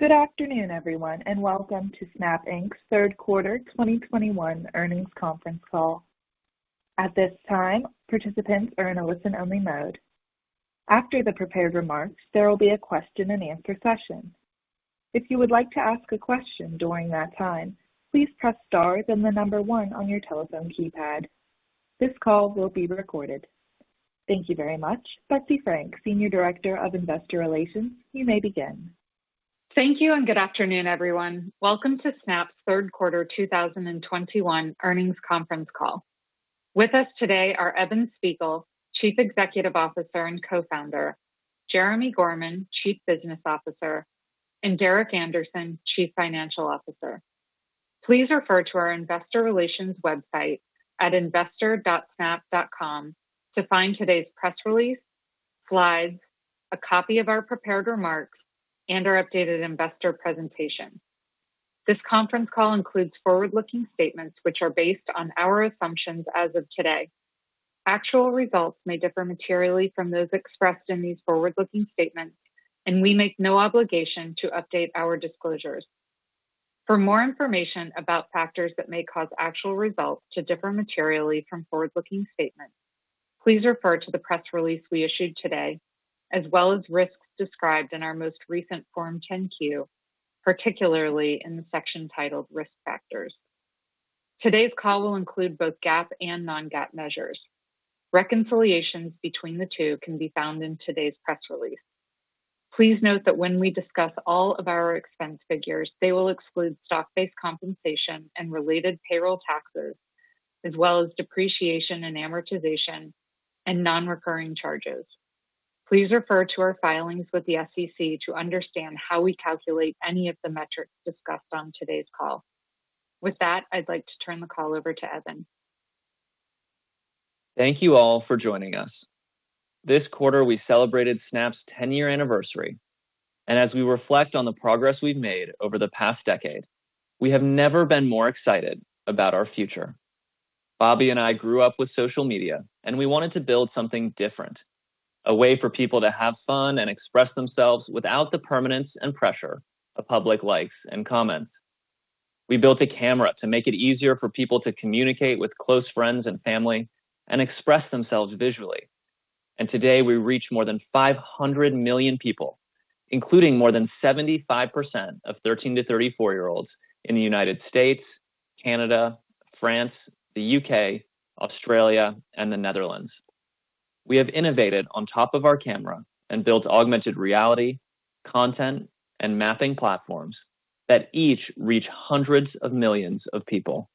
Good afternoon, everyone, and welcome to Snap Inc.'s Third Quarter 2021 Earnings Conference Call. At this time, participants are in listen-only mode. After the prepared remarks, there will be a question and answer session. If you would like to ask a question during that time, please press star and the number one on your telephone keypad. This call will be recorded. Thank you very much. Betsy Frank, Senior Director of Investor Relations, you may begin. Thank you. Good afternoon, everyone. Welcome to Snap's third quarter 2021 earnings conference call. With us today are Evan Spiegel, Chief Executive Officer and Co-Founder, Jeremi Gorman, Chief Business Officer, and Derek Andersen, Chief Financial Officer. Please refer to our investor relations website at investor.snap.com to find today's press release, slides, a copy of our prepared remarks, and our updated investor presentation. This conference call includes forward-looking statements which are based on our assumptions as of today. Actual results may differ materially from those expressed in these forward-looking statements, and we make no obligation to update our disclosures. For more information about factors that may cause actual results to differ materially from forward-looking statements, please refer to the press release we issued today, as well as risks described in our most recent Form 10-Q, particularly in the section titled Risk Factors. Today's call will include both GAAP and non-GAAP measures. Reconciliations between the two can be found in today's press release. Please note that when we discuss all of our expense figures, they will exclude stock-based compensation and related payroll taxes, as well as depreciation and amortization and non-recurring charges. Please refer to our filings with the SEC to understand how we calculate any of the metrics discussed on today's call. With that, I'd like to turn the call over to Evan. Thank you all for joining us. This quarter, we celebrated Snap's 10-year anniversary, and as we reflect on the progress we've made over the past decade, we have never been more excited about our future. Bobby and I grew up with social media, and we wanted to build something different, a way for people to have fun and express themselves without the permanence and pressure of public likes and comments. We built a camera to make it easier for people to communicate with close friends and family and express themselves visually. Today, we reach more than 500 million people, including more than 75% of 13 to 34-year-olds in the U.S., Canada, France, the U.K., Australia, and the Netherlands. We have innovated on top of our camera and built augmented reality, content, and mapping platforms that each reach hundreds of millions of people.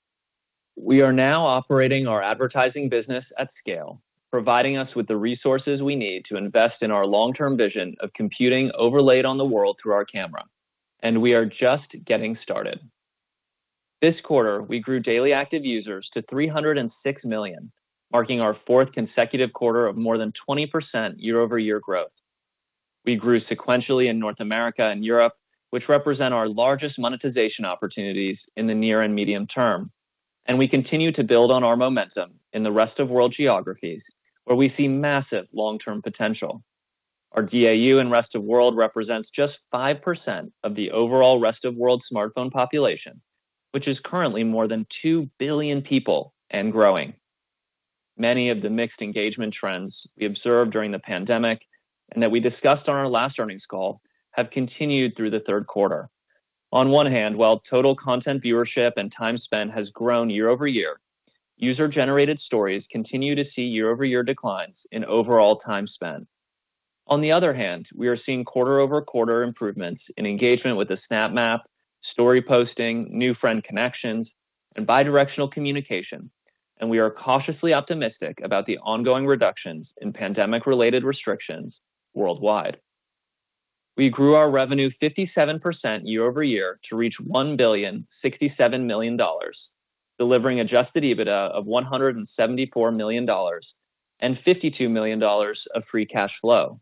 We are now operating our advertising business at scale, providing us with the resources we need to invest in our long-term vision of computing overlaid on the world through our camera. We are just getting started. This quarter, we grew daily active users to 306 million, marking our fourth consecutive quarter of more than 20% year-over-year growth. We grew sequentially in North America and Europe, which represent our largest monetization opportunities in the near and medium term. We continue to build on our momentum in the rest-of-world geographies where we see massive long-term potential. Our DAU in rest of world represents just 5% of the overall rest-of-world smartphone population, which is currently more than two billion people and growing. Many of the mixed engagement trends we observed during the pandemic and that we discussed on our last earnings call have continued through the third quarter. On one hand, while total content viewership and time spent has grown year-over-year, user-generated Stories continue to see year-over-year declines in overall time spent. On the other hand, we are seeing quarter-over-quarter improvements in engagement with the Snap Map, Story posting, new friend connections, and bi-directional communication, and we are cautiously optimistic about the ongoing reductions in pandemic-related restrictions worldwide. We grew our revenue 57% year-over-year to reach $1,067,000,000, delivering adjusted EBITDA of $174 million and $52 million of free cash flow.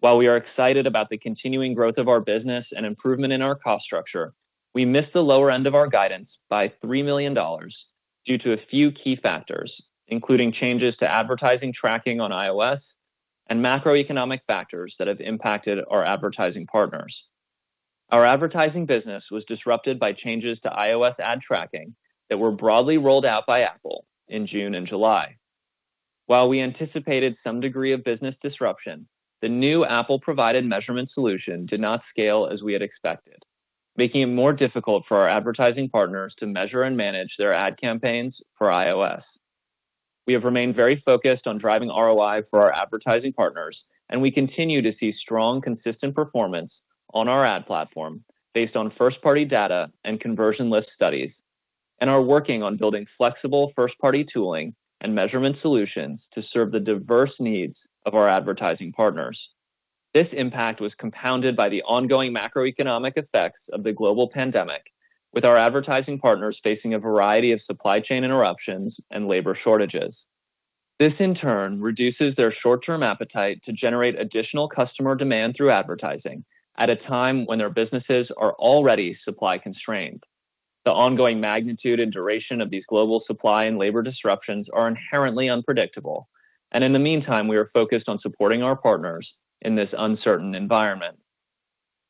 While we are excited about the continuing growth of our business and improvement in our cost structure, we missed the lower end of our guidance by $3 million due to a few key factors, including changes to advertising tracking on iOS and macroeconomic factors that have impacted our advertising partners. Our advertising business was disrupted by changes to iOS ad tracking that were broadly rolled out by Apple in June and July. While we anticipated some degree of business disruption, the new Apple-provided measurement solution did not scale as we had expected, making it more difficult for our advertising partners to measure and manage their ad campaigns for iOS. We have remained very focused on driving ROI for our advertising partners, and we continue to see strong, consistent performance on our ad platform based on first-party data and conversion list studies and are working on building flexible first-party tooling and measurement solutions to serve the diverse needs of our advertising partners. This impact was compounded by the ongoing macroeconomic effects of the global pandemic, with our advertising partners facing a variety of supply chain interruptions and labor shortages. This, in turn, reduces their short-term appetite to generate additional customer demand through advertising at a time when their businesses are already supply constrained. The ongoing magnitude and duration of these global supply and labor disruptions are inherently unpredictable. In the meantime, we are focused on supporting our partners in this uncertain environment.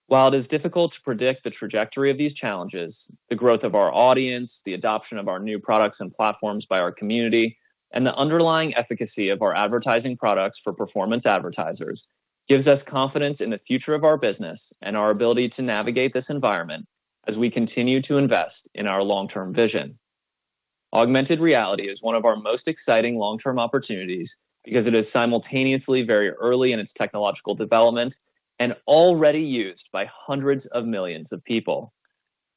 While it is difficult to predict the trajectory of these challenges, the growth of our audience, the adoption of our new products and platforms by our community, and the underlying efficacy of our advertising products for performance advertisers gives us confidence in the future of our business and our ability to navigate this environment as we continue to invest in our long-term vision. Augmented reality is one of our most exciting long-term opportunities because it is simultaneously very early in its technological development and already used by hundreds of millions of people.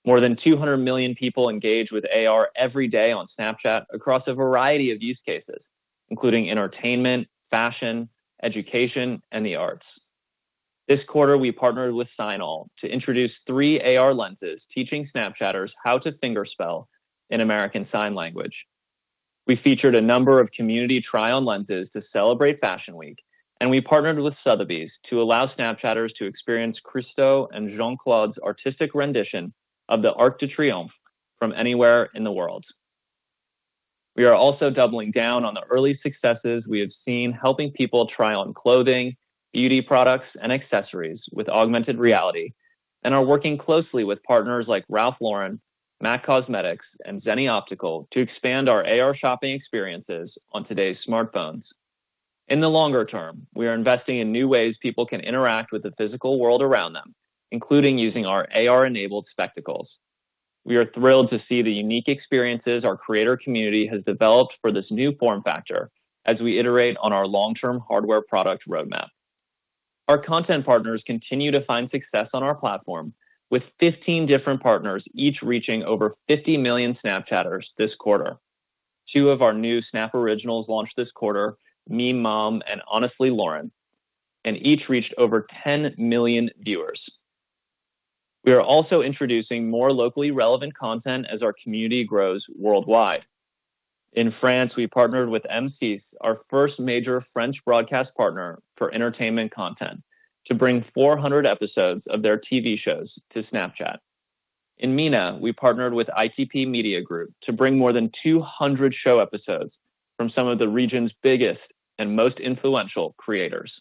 More than 200 million people engage with AR every day on Snapchat across a variety of use cases, including entertainment, Fashion Week, education, and the arts. This quarter, we partnered with SignAll to introduce three AR lenses teaching Snapchatters how to finger spell in American Sign Language. We featured a number of community try-on lenses to celebrate Fashion Week, and we partnered with Sotheby's to allow Snapchatters to experience Christo and Jeanne-Claude's artistic rendition of the Arc de Triomphe from anywhere in the world. We are also doubling down on the early successes we have seen helping people try on clothing, beauty products, and accessories with augmented reality and are working closely with partners like Ralph Lauren, MAC Cosmetics, and Zenni Optical to expand our AR shopping experiences on today's smartphones. In the longer term, we are investing in new ways people can interact with the physical world around them, including using our AR-enabled Spectacles. We are thrilled to see the unique experiences our creator community has developed for this new form factor as we iterate on our long-term hardware product roadmap. Our content partners continue to find success on our platform, with 15 different partners each reaching over 50 million Snapchatters this quarter. Two of our new Snap Originals launched this quarter, "Meme Mom" and "Honestly Loren," and each reached over 10 million viewers. We are also introducing more locally relevant content as our community grows worldwide. In France, we partnered with M6, our first major French broadcast partner for entertainment content, to bring 400 episodes of their TV shows to Snapchat. In MENA, we partnered with ITP Media Group to bring more than 200 show episodes from some of the region's biggest and most influential creators.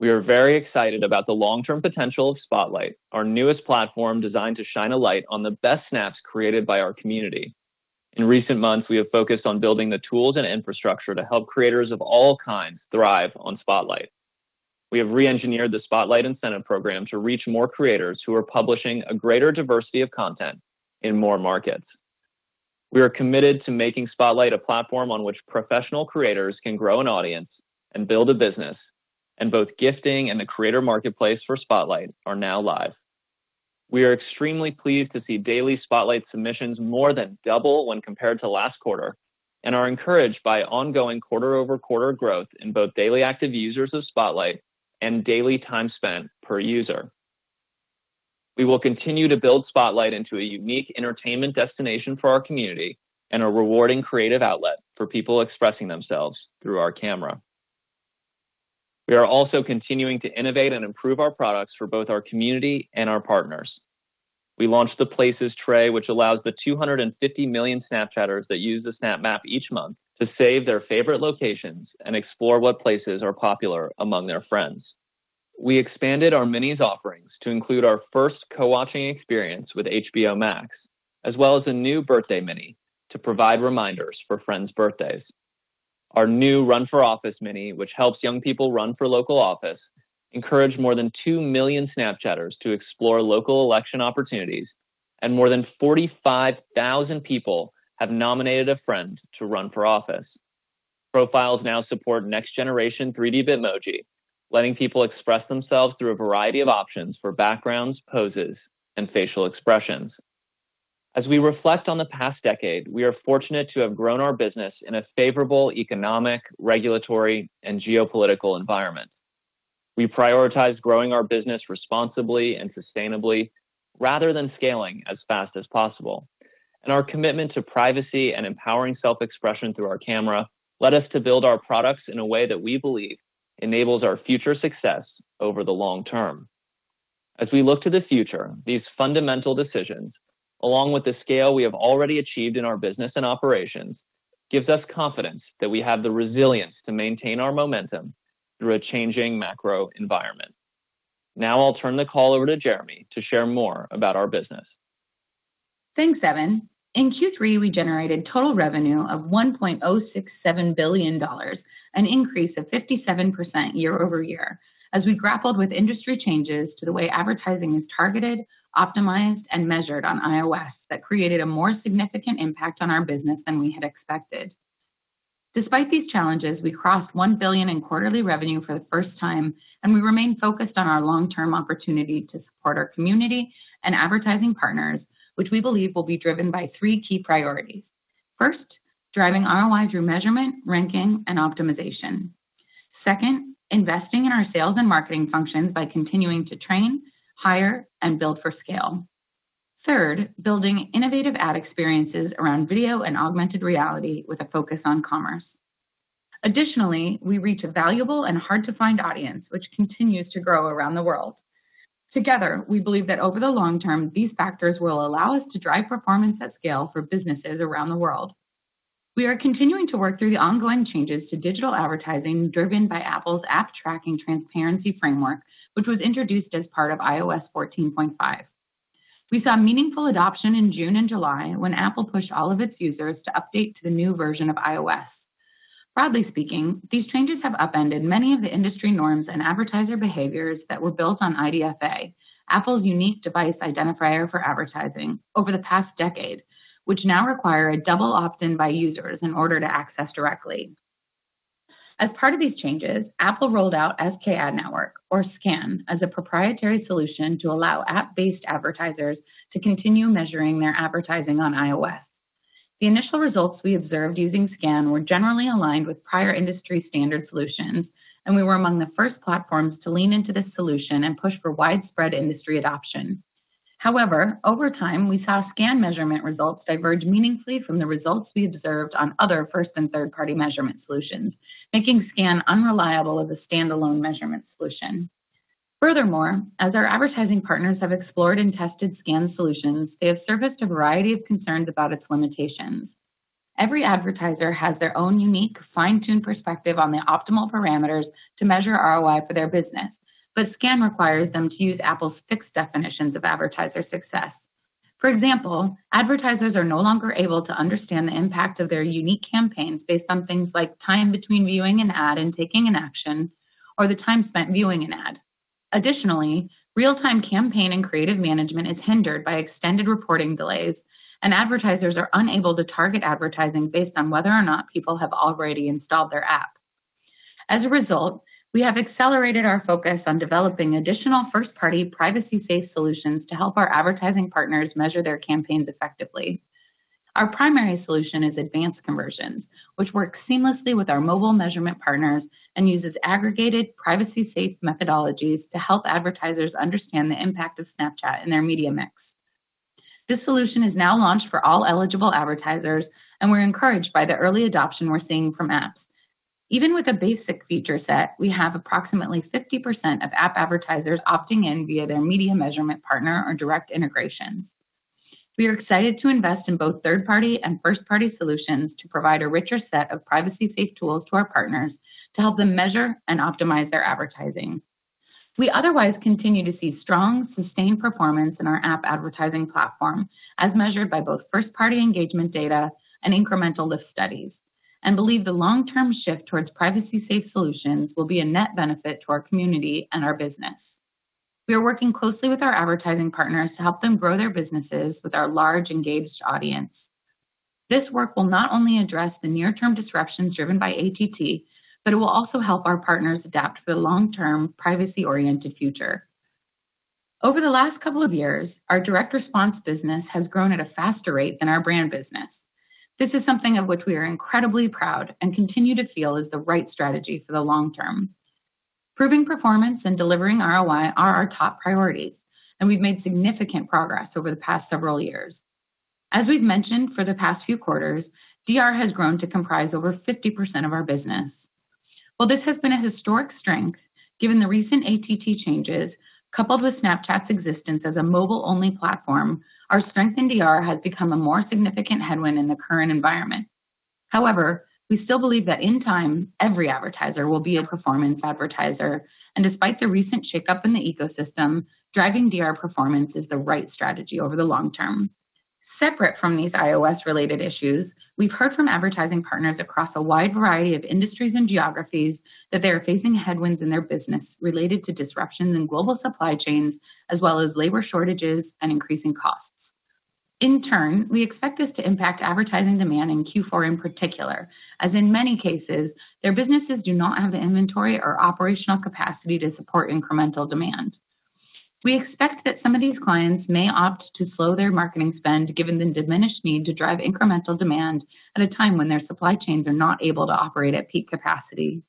We are very excited about the long-term potential of Spotlight, our newest platform designed to shine a light on the best snaps created by our community. In recent months, we have focused on building the tools and infrastructure to help creators of all kinds thrive on Spotlight. We have re-engineered the Spotlight incentive program to reach more creators who are publishing a greater diversity of content in more markets. We are committed to making Spotlight a platform on which professional creators can grow an audience and build a business, and both gifting and the creator marketplace for Spotlight are now live. We are extremely pleased to see daily Spotlight submissions more than double when compared to last quarter and are encouraged by ongoing quarter-over-quarter growth in both daily active users of Spotlight and daily time spent per user. We will continue to build Spotlight into a unique entertainment destination for our community and a rewarding creative outlet for people expressing themselves through our camera. We are also continuing to innovate and improve our products for both our community and our partners. We launched the Places tray, which allows the 250 million Snapchatters that use the Snap Map each month to save their favorite locations and explore what places are popular among their friends. We expanded our Minis offerings to include our first co-watching experience with HBO Max, as well as a new Birthday Mini to provide reminders for friends' birthdays. Our new Run for Office Mini, which helps young people run for local office, encouraged more than two million Snapchatters to explore local election opportunities, and more than 45,000 people have nominated a friend to run for office. Profiles now support next-generation 3D Bitmoji, letting people express themselves through a variety of options for backgrounds, poses, and facial expressions. As we reflect on the past decade, we are fortunate to have grown our business in a favorable economic, regulatory, and geopolitical environment. We prioritize growing our business responsibly and sustainably rather than scaling as fast as possible. Our commitment to privacy and empowering self-expression through our camera led us to build our products in a way that we believe enables our future success over the long term. As we look to the future, these fundamental decisions, along with the scale we have already achieved in our business and operations, gives us confidence that we have the resilience to maintain our momentum through a changing macro environment. Now I'll turn the call over to Jeremi to share more about our business. Thanks, Evan. In Q3, we generated total revenue of $1.067 billion, an increase of 57% year-over-year, as we grappled with industry changes to the way advertising is targeted, optimized, and measured on iOS that created a more significant impact on our business than we had expected. Despite these challenges, we crossed $1 billion in quarterly revenue for the first time, and we remain focused on our long-term opportunity to support our community and advertising partners, which we believe will be driven by three key priorities. First, driving ROIs through measurement, ranking, and optimization. Second, investing in our sales and marketing functions by continuing to train, hire, and build for scale. Third, building innovative ad experiences around video and augmented reality with a focus on commerce. Additionally, we reach a valuable and hard-to-find audience, which continues to grow around the world. Together, we believe that over the long term, these factors will allow us to drive performance at scale for businesses around the world. We are continuing to work through the ongoing changes to digital advertising driven by Apple's App Tracking Transparency framework, which was introduced as part of iOS 14.5. We saw meaningful adoption in June and July, when Apple pushed all of its users to update to the new version of iOS. Broadly speaking, these changes have upended many of the industry norms and advertiser behaviors that were built on IDFA, Apple's unique device identifier for advertising, over the past decade, which now require a double opt-in by users in order to access directly. As part of these changes, Apple rolled out SKAdNetwork, or SKAN, as a proprietary solution to allow app-based advertisers to continue measuring their advertising on iOS. The initial results we observed using SKAN were generally aligned with prior industry standard solutions, and we were among the first platforms to lean into this solution and push for widespread industry adoption. However, over time, we saw SKAN measurement results diverge meaningfully from the results we observed on other first and third-party measurement solutions, making SKAN unreliable as a standalone measurement solution. Furthermore, as our advertising partners have explored and tested SKAN solutions, they have surfaced a variety of concerns about its limitations. Every advertiser has their own unique, fine-tuned perspective on the optimal parameters to measure ROI for their business, but SKAN requires them to use Apple's fixed definitions of advertiser success. For example, advertisers are no longer able to understand the impact of their unique campaigns based on things like time between viewing an ad and taking an action, or the time spent viewing an ad. Additionally, real-time campaign and creative management is hindered by extended reporting delays, and advertisers are unable to target advertising based on whether or not people have already installed their app. As a result, we have accelerated our focus on developing additional first-party, privacy-safe solutions to help our advertising partners measure their campaigns effectively. Our primary solution is Advanced Conversions, which works seamlessly with our mobile measurement partners and uses aggregated, privacy-safe methodologies to help advertisers understand the impact of Snapchat in their media mix. This solution is now launched for all eligible advertisers. We're encouraged by the early adoption we're seeing from apps. Even with a basic feature set, we have approximately 50% of app advertisers opting in via their media measurement partner or direct integration. We are excited to invest in both third-party and first-party solutions to provide a richer set of privacy-safe tools to our partners to help them measure and optimize their advertising. We otherwise continue to see strong, sustained performance in our app advertising platform, as measured by both first-party engagement data and incremental lift studies, and believe the long-term shift towards privacy-safe solutions will be a net benefit to our community and our business. We are working closely with our advertising partners to help them grow their businesses with our large engaged audience. This work will not only address the near-term disruptions driven by ATT, but it will also help our partners adapt to the long-term privacy-oriented future. Over the last couple of years, our direct response business has grown at a faster rate than our brand business. This is something of which we are incredibly proud and continue to feel is the right strategy for the long term. Proving performance and delivering ROI are our top priorities, and we've made significant progress over the past several years. As we've mentioned for the past few quarters, DR has grown to comprise over 50% of our business. While this has been a historic strength, given the recent ATT changes, coupled with Snapchat's existence as a mobile-only platform, our strength in DR has become a more significant headwind in the current environment. However, we still believe that in time, every advertiser will be a performance advertiser, and despite the recent shakeup in the ecosystem, driving DR performance is the right strategy over the long term. Separate from these iOS-related issues, we've heard from advertising partners across a wide variety of industries and geographies that they are facing headwinds in their business related to disruptions in global supply chains, as well as labor shortages and increasing costs. In turn, we expect this to impact advertising demand in Q4 in particular, as in many cases, their businesses do not have the inventory or operational capacity to support incremental demand. We expect that some of these clients may opt to slow their marketing spend given the diminished need to drive incremental demand at a time when their supply chains are not able to operate at peak capacity.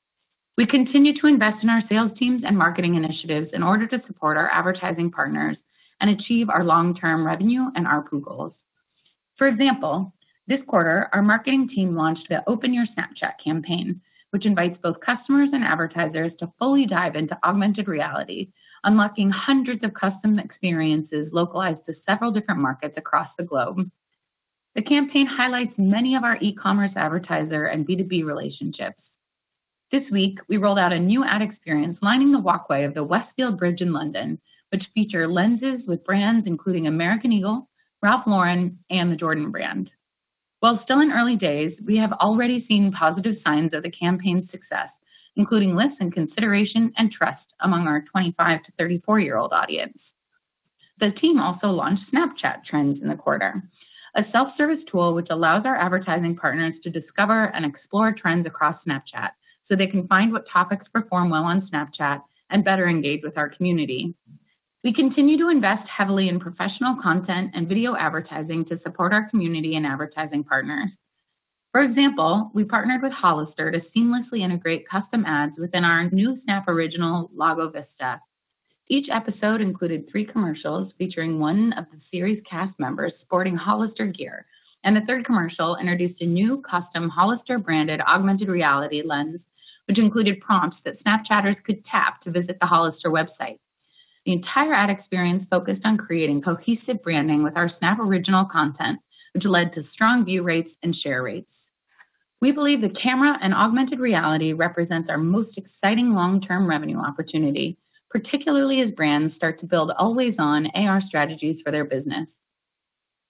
We continue to invest in our sales teams and marketing initiatives in order to support our advertising partners and achieve our long-term revenue and ARPU goals. For example, this quarter, our marketing team launched the Open Your Snapchat campaign, which invites both customers and advertisers to fully dive into augmented reality, unlocking hundreds of custom experiences localized to several different markets across the globe. The campaign highlights many of our e-commerce advertiser and B2B relationships. This week, we rolled out a new ad experience lining the walkway of the Westfield Bridge in London, which feature lenses with brands including American Eagle, Ralph Lauren, and the Jordan brand. While still in early days, we have already seen positive signs of the campaign's success, including lifts in consideration and trust among our 25 to 34-year-old audience. The team also launched Snapchat Trends in the quarter, a self-service tool which allows our advertising partners to discover and explore trends across Snapchat so they can find what topics perform well on Snapchat and better engage with our community. We continue to invest heavily in professional content and video advertising to support our community and advertising partners. For example, we partnered with Hollister to seamlessly integrate custom ads within our new Snap Original, Lago Vista. Each episode included three commercials featuring one of the series cast members sporting Hollister gear, and the third commercial introduced a new custom Hollister-branded augmented reality lens, which included prompts that Snapchatters could tap to visit the Hollister website. The entire ad experience focused on creating cohesive branding with our Snap Original content, which led to strong view rates and share rates. We believe the camera and augmented reality represents our most exciting long-term revenue opportunity, particularly as brands start to build always-on AR strategies for their business.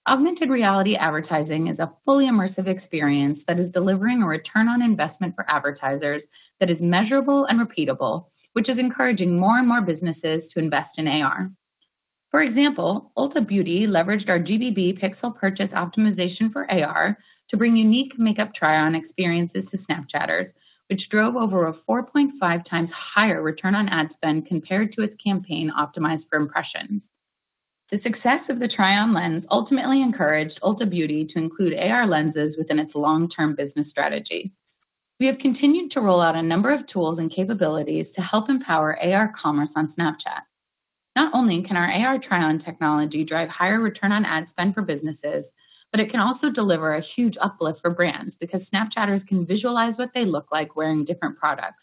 Augmented reality advertising is a fully immersive experience that is delivering a return on investment for advertisers that is measurable and repeatable, which is encouraging more and more businesses to invest in AR. For example, Ulta Beauty leveraged our GBB Pixel purchase optimization for AR to bring unique makeup try-on experiences to Snapchatters, which drove over a 4.5x higher return on ad spend compared to its campaign optimized for impressions. The success of the try-on lens ultimately encouraged Ulta Beauty to include AR lenses within its long-term business strategy. We have continued to roll out a number of tools and capabilities to help empower AR commerce on Snapchat. Not only can our AR try-on technology drive higher return on ad spend for businesses, but it can also deliver a huge uplift for brands because Snapchatters can visualize what they look like wearing different products.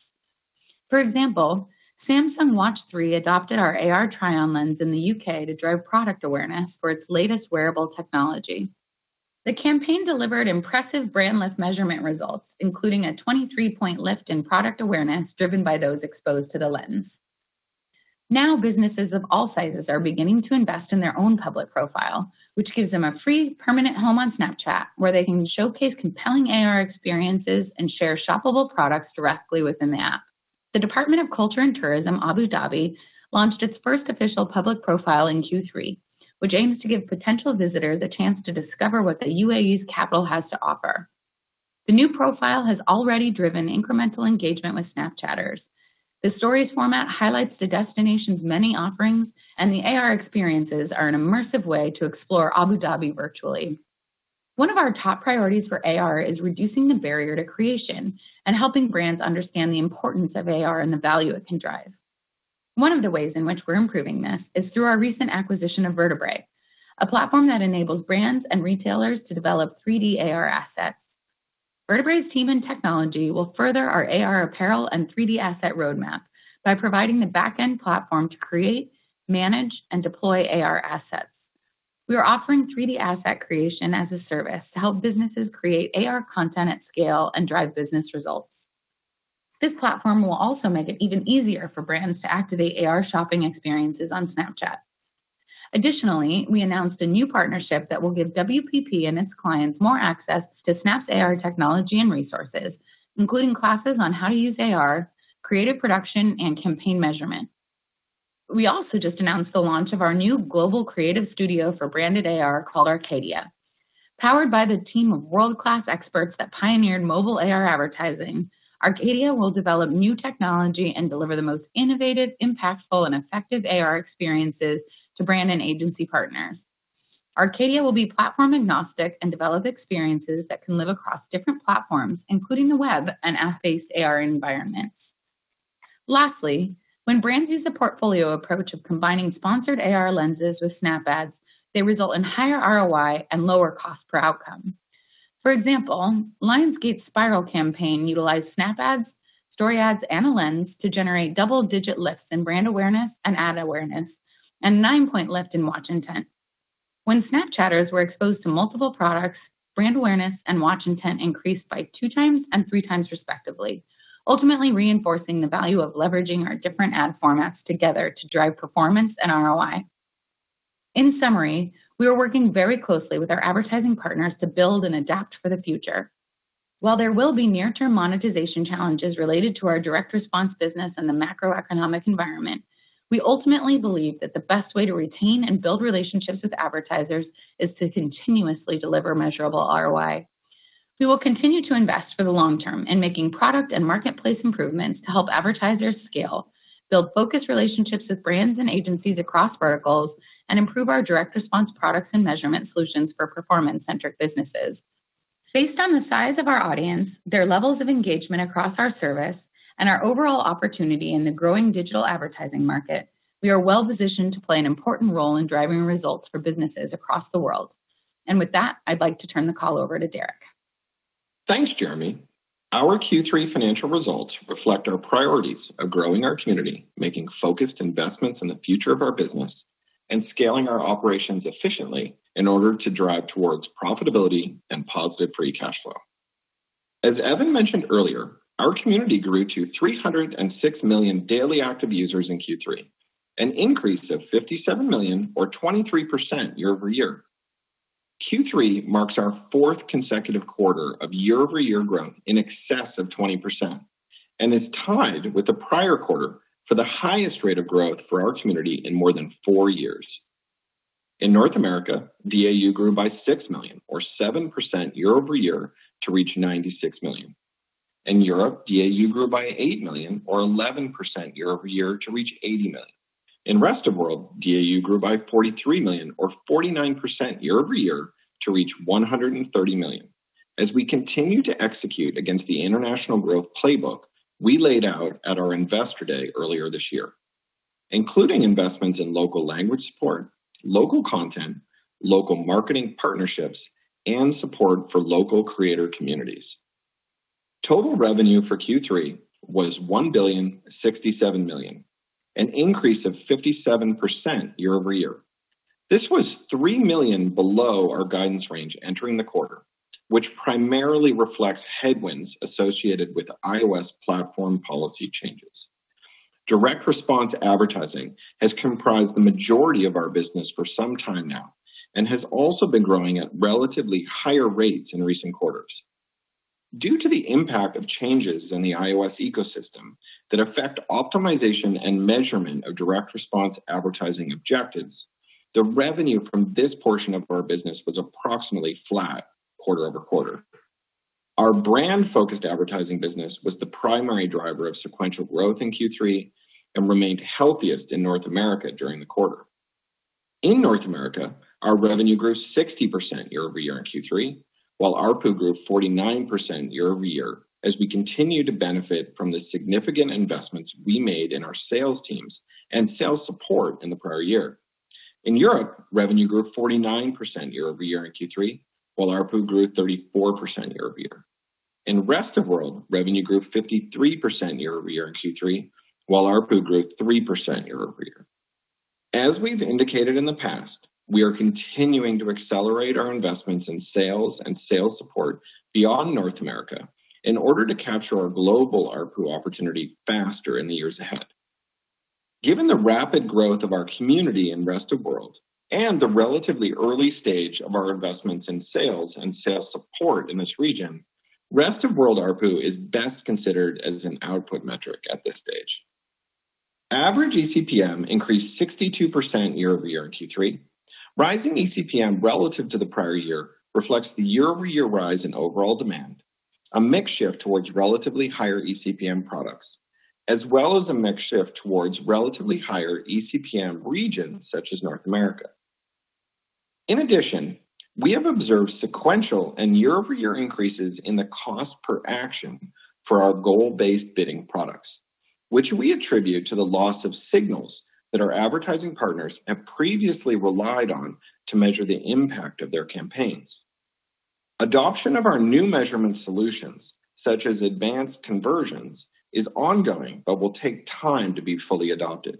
For example, Samsung Galaxy Watch3 adopted our AR try-on lens in the U.K. to drive product awareness for its latest wearable technology. The campaign delivered impressive brand lift measurement results, including a 23-point lift in product awareness driven by those exposed to the lens. Businesses of all sizes are beginning to invest in their own public profile, which gives them a free permanent home on Snapchat where they can showcase compelling AR experiences and share shoppable products directly within the app. The Department of Culture and Tourism – Abu Dhabi launched its first official public profile in Q3, which aims to give potential visitors a chance to discover what the UAE's capital has to offer. The new profile has already driven incremental engagement with Snapchatters. The Stories format highlights the destination's many offerings, and the AR experiences are an immersive way to explore Abu Dhabi virtually. One of our top priorities for AR is reducing the barrier to creation and helping brands understand the importance of AR and the value it can drive. One of the ways in which we're improving this is through our recent acquisition of Vertebrae, a platform that enables brands and retailers to develop 3D AR assets. Vertebrae's team and technology will further our AR apparel and 3D asset roadmap by providing the backend platform to create, manage and deploy AR assets. We are offering 3D asset creation as a service to help businesses create AR content at scale and drive business results. This platform will also make it even easier for brands to activate AR shopping experiences on Snapchat. Additionally, we announced a new partnership that will give WPP and its clients more access to Snap's AR technology and resources, including classes on how to use AR, creative production, and campaign measurement. We also just announced the launch of our new global creative studio for branded AR called Arcadia. Powered by the team of world-class experts that pioneered mobile AR advertising, Arcadia will develop new technology and deliver the most innovative, impactful, and effective AR experiences to brand and agency partners. Arcadia will be platform-agnostic and develop experiences that can live across different platforms, including the web and app-based AR environments. Lastly, when brands use a portfolio approach of combining sponsored AR lenses with Snap Ads, they result in higher ROI and lower cost per outcome. For example, Lionsgate's Spiral campaign utilized Snap Ads, Story Ads, and a lens to generate double-digit lifts in brand awareness and ad awareness, and a nine-point lift in watch intent. When Snapchatters were exposed to multiple products, brand awareness and watch intent increased by 2x and 3x respectively, ultimately reinforcing the value of leveraging our different ad formats together to drive performance and ROI. In summary, we are working very closely with our advertising partners to build and adapt for the future. While there will be near-term monetization challenges related to our direct response business and the macroeconomic environment, we ultimately believe that the best way to retain and build relationships with advertisers is to continuously deliver measurable ROI. We will continue to invest for the long term in making product and marketplace improvements to help advertisers scale, build focused relationships with brands and agencies across verticals, and improve our direct response products and measurement solutions for performance-centric businesses. Based on the size of our audience, their levels of engagement across our service, and our overall opportunity in the growing digital advertising market, we are well-positioned to play an important role in driving results for businesses across the world. With that, I'd like to turn the call over to Derek. Thanks, Jeremi. Our Q3 financial results reflect our priorities of growing our community, making focused investments in the future of our business, and scaling our operations efficiently in order to drive towards profitability and positive free cash flow. As Evan mentioned earlier, our community grew to 306 million daily active users in Q3, an increase of 57 million or 23% year-over-year. Q3 marks our fourth consecutive quarter of year-over-year growth in excess of 20% and is tied with the prior quarter for the highest rate of growth for our community in more than four years. In North America, DAU grew by 6 million or 7% year-over-year to reach 96 million. In Europe, DAU grew by 8 million or 11% year-over-year to reach 80 million. In rest of world, DAU grew by 43 million or 49% year-over-year to reach 130 million. As we continue to execute against the international growth playbook we laid out at our investor day earlier this year, including investments in local language support, local content, local marketing partnerships, and support for local creator communities. Total revenue for Q3 was $1,067,000,000, an increase of 57% year-over-year. This was $3 million below our guidance range entering the quarter, which primarily reflects headwinds associated with iOS platform policy changes. Direct response advertising has comprised the majority of our business for some time now and has also been growing at relatively higher rates in recent quarters. Due to the impact of changes in the iOS ecosystem that affect optimization and measurement of direct response advertising objectives, the revenue from this portion of our business was approximately flat quarter over-quarter. Our brand-focused advertising business was the primary driver of sequential growth in Q3 and remained healthiest in North America during the quarter. In North America, our revenue grew 60% year-over-year in Q3, while ARPU grew 49% year-over-year, as we continue to benefit from the significant investments we made in our sales teams and sales support in the prior year. In Europe, revenue grew 49% year-over-year in Q3, while ARPU grew 34% year-over-year. In rest of world, revenue grew 53% year-over-year in Q3, while ARPU grew 3% year-over-year. As we've indicated in the past, we are continuing to accelerate our investments in sales and sales support beyond North America in order to capture our global ARPU opportunity faster in the years ahead. Given the rapid growth of our community in rest of world and the relatively early stage of our investments in sales and sales support in this region, rest of world ARPU is best considered as an output metric at this stage. Average eCPM increased 62% year-over-year in Q3. Rising eCPM relative to the prior year reflects the year-over-year rise in overall demand, a mix shift towards relatively higher eCPM products, as well as a mix shift towards relatively higher eCPM regions such as North America. In addition, we have observed sequential and year-over-year increases in the cost per action for our goal-based bidding products, which we attribute to the loss of signals that our advertising partners have previously relied on to measure the impact of their campaigns. Adoption of our new measurement solutions, such as Advanced Conversions, is ongoing but will take time to be fully adopted.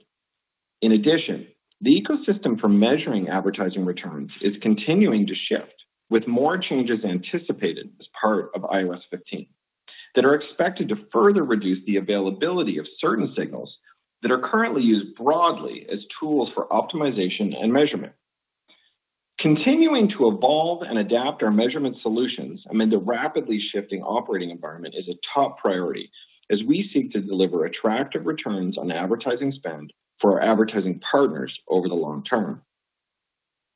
In addition, the ecosystem for measuring advertising returns is continuing to shift, with more changes anticipated as part of iOS 15, that are expected to further reduce the availability of certain signals that are currently used broadly as tools for optimization and measurement. Continuing to evolve and adapt our measurement solutions amid the rapidly shifting operating environment is a top priority as we seek to deliver attractive returns on advertising spend for our advertising partners over the long term.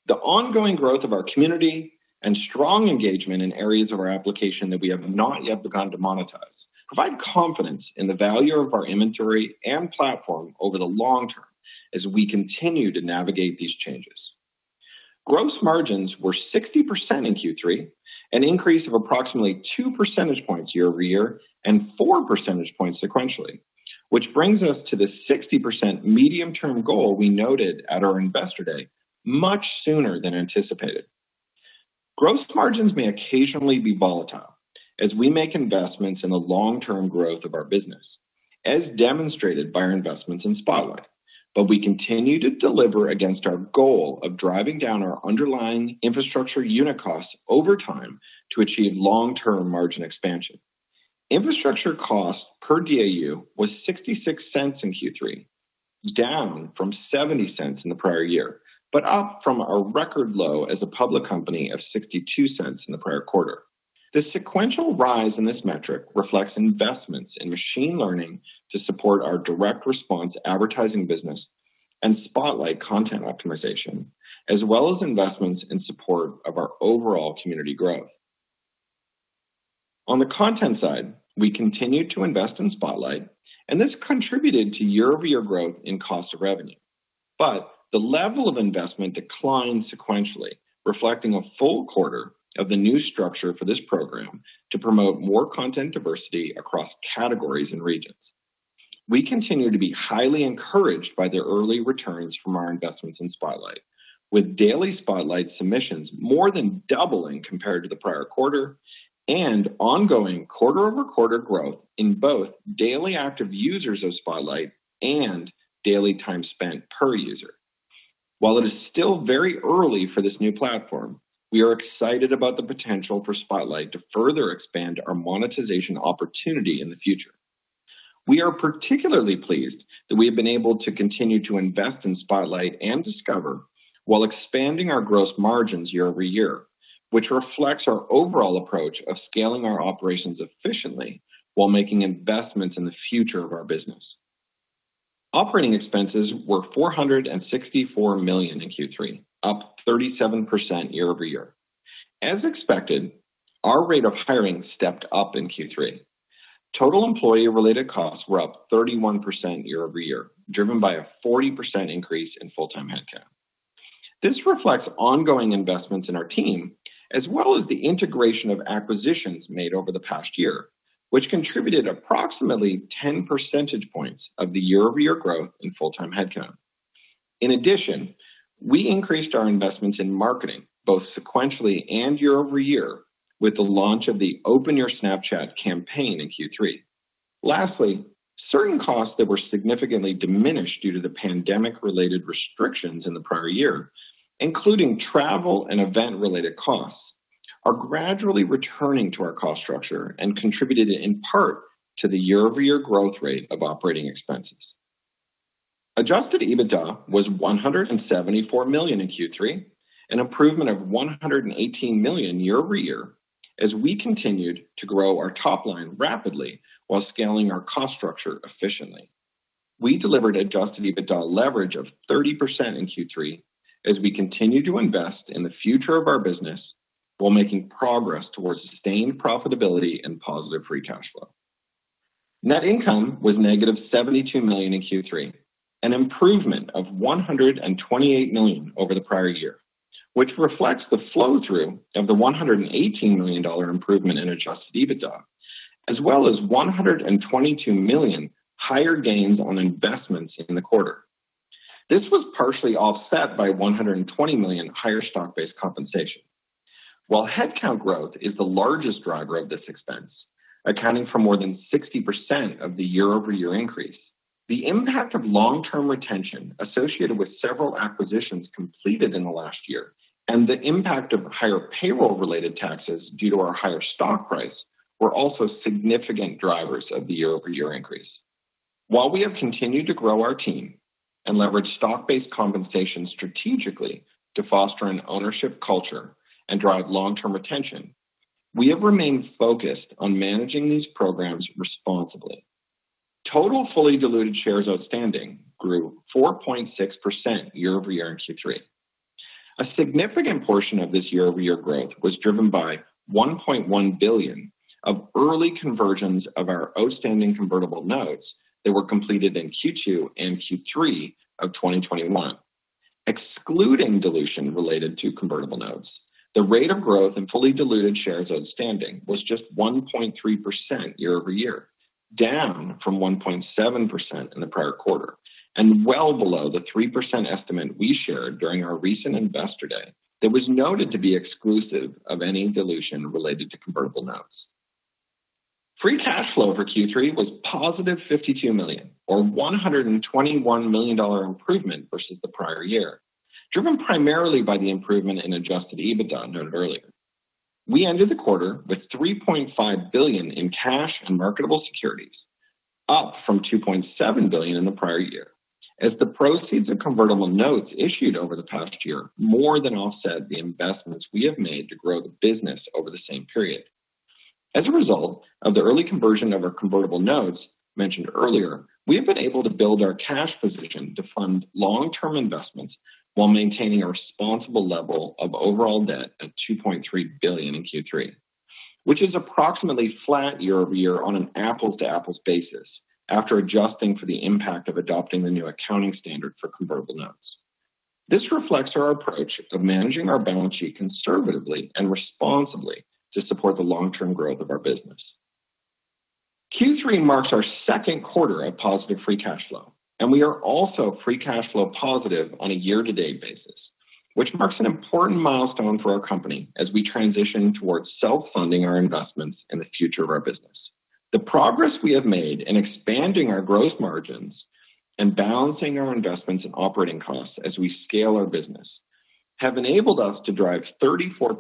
The ongoing growth of our community and strong engagement in areas of our application that we have not yet begun to monetize provide confidence in the value of our inventory and platform over the long term as we continue to navigate these changes. Gross margins were 60% in Q3, an increase of approximately two percentage points year over year and four percentage points sequentially, which brings us to the 60% medium-term goal we noted at our investor day much sooner than anticipated. Gross margins may occasionally be volatile as we make investments in the long-term growth of our business, as demonstrated by our investments in Spotlight, but we continue to deliver against our goal of driving down our underlying infrastructure unit costs over time to achieve long-term margin expansion. Infrastructure cost per DAU was $0.66 in Q3, down from $0.70 in the prior year, but up from a record low as a public company of $0.62 in the prior quarter. The sequential rise in this metric reflects investments in machine learning to support our direct response advertising business and Spotlight content optimization, as well as investments in support of our overall community growth. On the content side, we continued to invest in Spotlight, and this contributed to year-over-year growth in cost of revenue. The level of investment declined sequentially, reflecting a full quarter of the new structure for this program to promote more content diversity across categories and regions. We continue to be highly encouraged by the early returns from our investments in Spotlight, with daily Spotlight submissions more than doubling compared to the prior quarter, and ongoing quarter-over-quarter growth in both daily active users of Spotlight and daily time spent per user. While it is still very early for this new platform, we are excited about the potential for Spotlight to further expand our monetization opportunity in the future. We are particularly pleased that we have been able to continue to invest in Spotlight and Discover while expanding our gross margins year-over-year, which reflects our overall approach of scaling our operations efficiently while making investments in the future of our business. Operating expenses were $464 million in Q3, up 37% year-over-year. As expected, our rate of hiring stepped up in Q3. Total employee-related costs were up 31% year-over-year, driven by a 40% increase in full-time headcount. This reflects ongoing investments in our team, as well as the integration of acquisitions made over the past year, which contributed approximately 10 percentage points of the year-over-year growth in full-time headcount. In addition, we increased our investments in marketing both sequentially and year-over-year with the launch of the Open Your Snapchat campaign in Q3. Lastly, certain costs that were significantly diminished due to the pandemic-related restrictions in the prior year, including travel and event-related costs, are gradually returning to our cost structure and contributed in part to the year-over-year growth rate of operating expenses. adjusted EBITDA was $174 million in Q3, an improvement of $118 million year-over-year as we continued to grow our top line rapidly while scaling our cost structure efficiently. We delivered adjusted EBITDA leverage of 30% in Q3 as we continue to invest in the future of our business while making progress towards sustained profitability and positive free cash flow. Net income was negative $72 million in Q3, an improvement of $128 million over the prior year, which reflects the flow-through of the $118 million improvement in adjusted EBITDA, as well as $122 million higher gains on investments in the quarter. This was partially offset by $120 million higher stock-based compensation. While headcount growth is the largest driver of this expense, accounting for more than 60% of the year-over-year increase, the impact of long-term retention associated with several acquisitions completed in the last year and the impact of higher payroll-related taxes due to our higher stock price were also significant drivers of the year-over-year increase. While we have continued to grow our team and leverage stock-based compensation strategically to foster an ownership culture and drive long-term retention, we have remained focused on managing these programs responsibly. Total fully diluted shares outstanding grew 4.6% year-over-year in Q3. A significant portion of this year-over-year growth was driven by $1.1 billion of early conversions of our outstanding convertible notes that were completed in Q2 and Q3 of 2021. Excluding dilution related to convertible notes, the rate of growth in fully diluted shares outstanding was just 1.3% year-over-year, down from 1.7% in the prior quarter, and well below the 3% estimate we shared during our recent Investor Day that was noted to be exclusive of any dilution related to convertible notes. Free cash flow for Q3 was positive $52 million, or $121 million improvement versus the prior year, driven primarily by the improvement in adjusted EBITDA noted earlier. We ended the quarter with $3.5 billion in cash and marketable securities, up from $2.7 billion in the prior year, as the proceeds of convertible notes issued over the past year more than offset the investments we have made to grow the business over the same period. As a result of the early conversion of our convertible notes mentioned earlier, we have been able to build our cash position to fund long-term investments while maintaining a responsible level of overall debt at $2.3 billion in Q3, which is approximately flat year-over-year on an apples-to-apples basis after adjusting for the impact of adopting the new accounting standard for convertible notes. This reflects our approach of managing our balance sheet conservatively and responsibly to support the long-term growth of our business. Q3 marks our second quarter of positive free cash flow, and we are also free cash flow positive on a year-to-date basis, which marks an important milestone for our company as we transition towards self-funding our investments in the future of our business. The progress we have made in expanding our growth margins and balancing our investments in operating costs as we scale our business have enabled us to drive 34%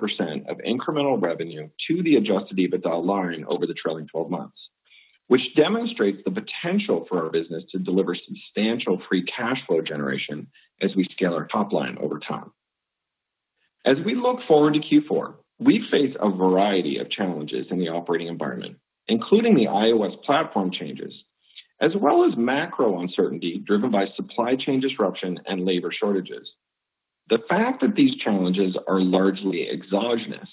of incremental revenue to the adjusted EBITDA line over the trailing 12 months, which demonstrates the potential for our business to deliver substantial free cash flow generation as we scale our top line over time. As we look forward to Q4, we face a variety of challenges in the operating environment, including the iOS platform changes, as well as macro uncertainty driven by supply chain disruption and labor shortages. The fact that these challenges are largely exogenous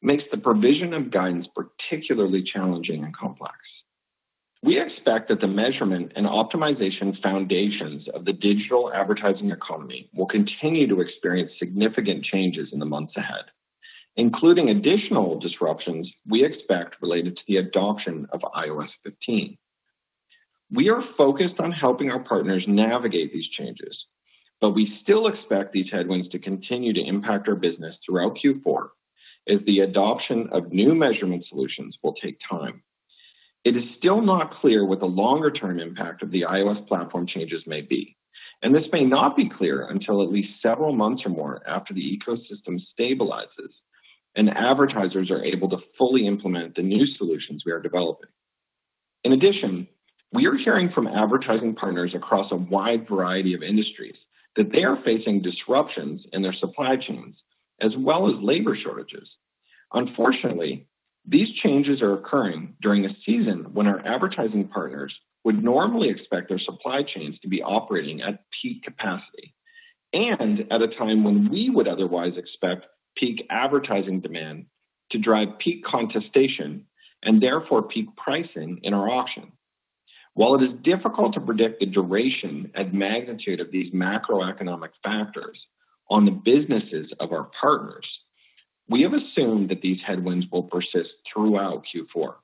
makes the provision of guidance particularly challenging and complex. We expect that the measurement and optimization foundations of the digital advertising economy will continue to experience significant changes in the months ahead, including additional disruptions we expect related to the adoption of iOS 15. We are focused on helping our partners navigate these changes, but we still expect these headwinds to continue to impact our business throughout Q4 as the adoption of new measurement solutions will take time. It is still not clear what the longer-term impact of the iOS platform changes may be, and this may not be clear until at least several months or more after the ecosystem stabilizes and advertisers are able to fully implement the new solutions we are developing. In addition, we are hearing from advertising partners across a wide variety of industries that they are facing disruptions in their supply chains, as well as labor shortages. Unfortunately, these changes are occurring during a season when our advertising partners would normally expect their supply chains to be operating at peak capacity and at a time when we would otherwise expect peak advertising demand to drive peak contestation and therefore peak pricing in our auction. While it is difficult to predict the duration and magnitude of these macroeconomic factors on the businesses of our partners, we have assumed that these headwinds will persist throughout Q4.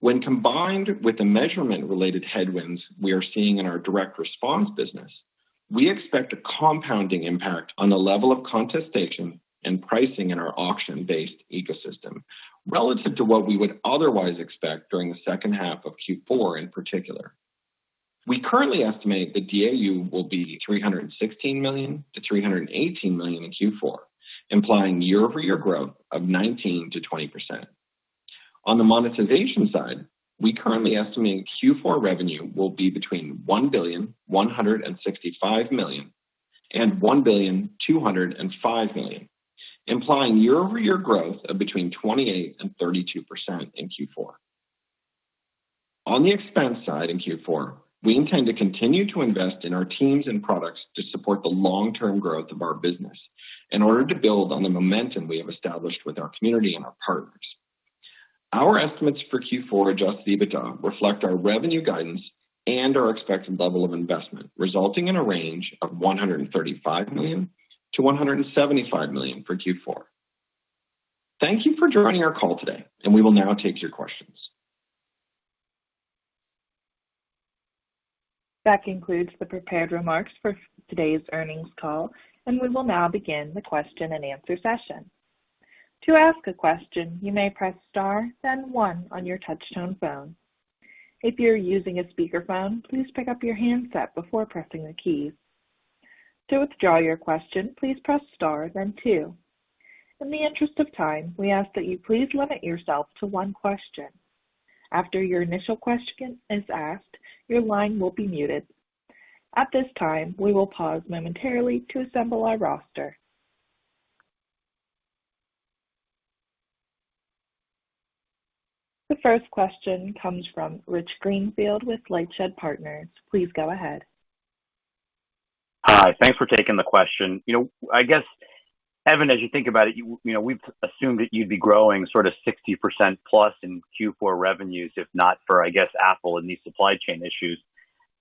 When combined with the measurement-related headwinds we are seeing in our direct response business, we expect a compounding impact on the level of contestation and pricing in our auction-based ecosystem relative to what we would otherwise expect during the second half of Q4 in particular. We currently estimate that DAU will be $316 million-$318 million in Q4, implying year-over-year growth of 19%-20%. On the monetization side, we currently estimate Q4 revenue will be between $1.165 billion and $1.205 billion, implying year-over-year growth of between 28% and 32% in Q4. On the expense side in Q4, we intend to continue to invest in our teams and products to support the long-term growth of our business in order to build on the momentum we have established with our community and our partners. Our estimates for Q4 adjusted EBITDA reflect our revenue guidance and our expected level of investment, resulting in a range of $135 million-$175 million for Q4. Thank you for joining our call today, and we will now take your questions. That concludes the prepared remarks for today's earnings call. We will now begin the question and answer session. To ask a question, you may press star then one on your touch-tone phone. If you're using a speakerphone, please pick up your handset before pressing the keys. To withdraw your question, please press star then two. In the interest of time, we ask that you please limit yourself to one question. After your initial question is asked, your line will be muted. At this time, we will pause momentarily to assemble our roster. The first question comes from Rich Greenfield with LightShed Partners. Please go ahead. Hi. Thanks for taking the question. I guess, Evan, as you think about it, we've assumed that you'd be growing sort of 60%+ in Q4 revenues if not for, I guess, Apple and these supply chain issues.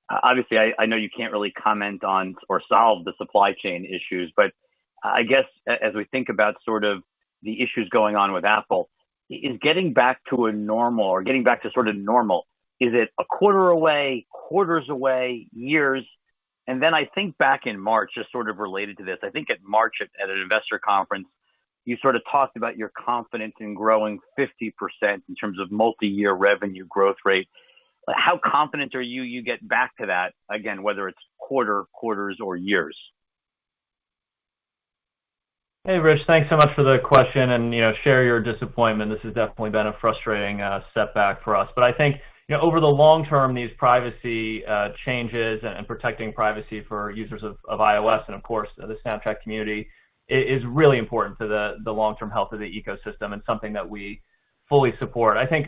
I know you can't really comment on or solve the supply chain issues, but I guess as we think about sort of the issues going on with Apple, in getting back to a normal or getting back to sort of normal, is it a quarter away, quarters away, years? I think back in March, just sort of related to this, I think at March at an investor conference, you sort of talked about your confidence in growing 50% in terms of multi-year revenue growth rate. How confident are you you get back to that again, whether it's quarter, quarters or years? Hey, Rich. Thanks so much for the question, and share your disappointment. This has definitely been a frustrating setback for us. I think, over the long term, these privacy changes and protecting privacy for users of iOS and of course, the Snapchat community, is really important to the long-term health of the ecosystem and something that we fully support. I think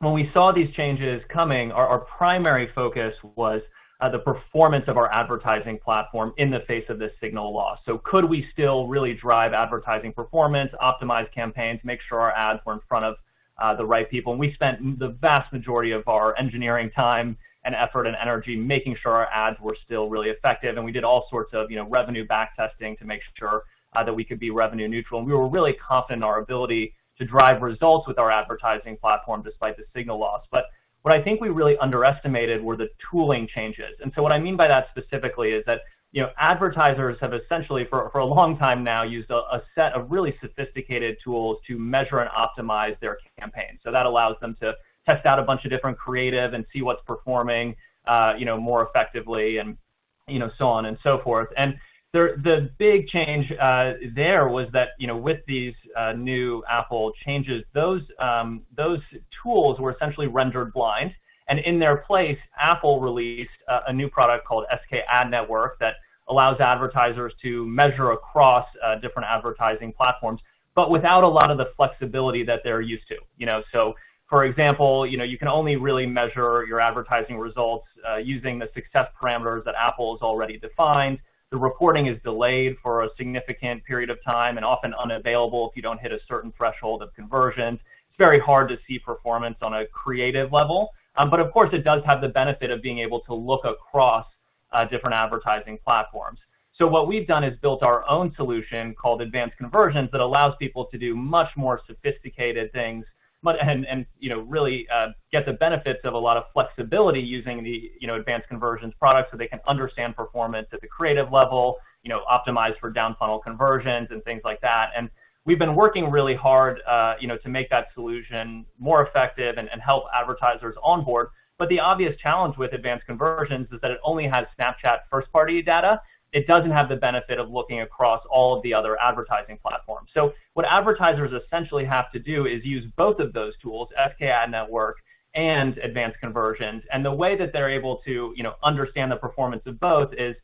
when we saw these changes coming, our primary focus was the performance of our advertising platform in the face of this signal loss. Could we still really drive advertising performance, optimize campaigns, make sure our ads were in front of the right people? We spent the vast majority of our engineering time and effort and energy making sure our ads were still really effective. We did all sorts of revenue back testing to make sure that we could be revenue neutral. We were really confident in our ability to drive results with our advertising platform despite the signal loss. What I think we really underestimated were the tooling changes. What I mean by that specifically is that advertisers have essentially, for a long time now, used a set of really sophisticated tools to measure and optimize their campaigns. That allows them to test out a bunch of different creative and see what's performing more effectively and so on and so forth. The big change there was that with these new Apple changes, those tools were essentially rendered blind. In their place, Apple released a new product called SKAdNetwork that allows advertisers to measure across different advertising platforms, but without a lot of the flexibility that they're used to. For example, you can only really measure your advertising results using the success parameters that Apple has already defined. The reporting is delayed for a significant period of time and often unavailable if you don't hit a certain threshold of conversion. It's very hard to see performance on a creative level. Of course, it does have the benefit of being able to look across different advertising platforms. What we've done is built our own solution called Advanced Conversions that allows people to do much more sophisticated things and really get the benefits of a lot of flexibility using the Advanced Conversions product so they can understand performance at the creative level, optimize for down-funnel conversions and things like that. We've been working really hard to make that solution more effective and help advertisers onboard. The obvious challenge with Advanced Conversions is that it only has Snapchat first-party data. It doesn't have the benefit of looking across all of the other advertising platforms. What advertisers essentially have to do is use both of those tools, SKAdNetwork and Advanced Conversions. The way that they're able to understand the performance of both is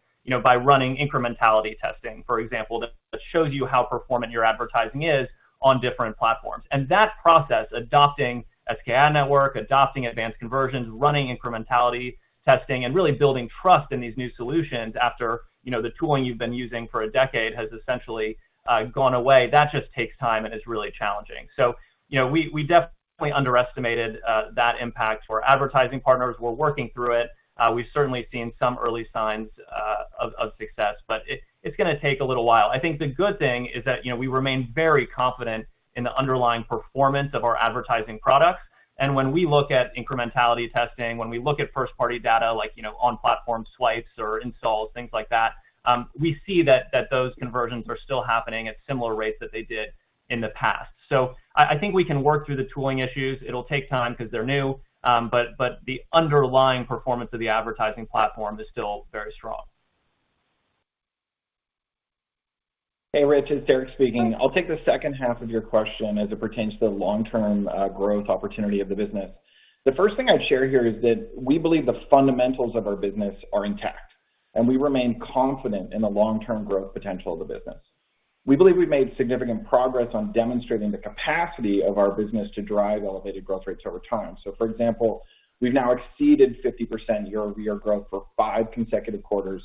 by running incrementality testing, for example, that shows you how performant your advertising is on different platforms. That process, adopting SKAdNetwork, adopting Advanced Conversions, running incrementality testing, and really building trust in these new solutions after the tooling you've been using for a decade has essentially gone away, that just takes time and is really challenging. We definitely underestimated that impact for advertising partners. We're working through it. We've certainly seen some early signs of success, but it's going to take a little while. I think the good thing is that we remain very confident in the underlying performance of our advertising products. When we look at incrementality testing, when we look at first-party data like on platform swipes or installs, things like that, we see that those conversions are still happening at similar rates that they did in the past. I think we can work through the tooling issues. It'll take time because they're new. The underlying performance of the advertising platform is still very strong. Hey, Rich. It's Derek speaking. I'll take the second half of your question as it pertains to the long-term growth opportunity of the business. The first thing I'd share here is that we believe the fundamentals of our business are intact, and we remain confident in the long-term growth potential of the business. We believe we've made significant progress on demonstrating the capacity of our business to drive elevated growth rates over time. For example, we've now exceeded 50% year-over-year growth for five consecutive quarters,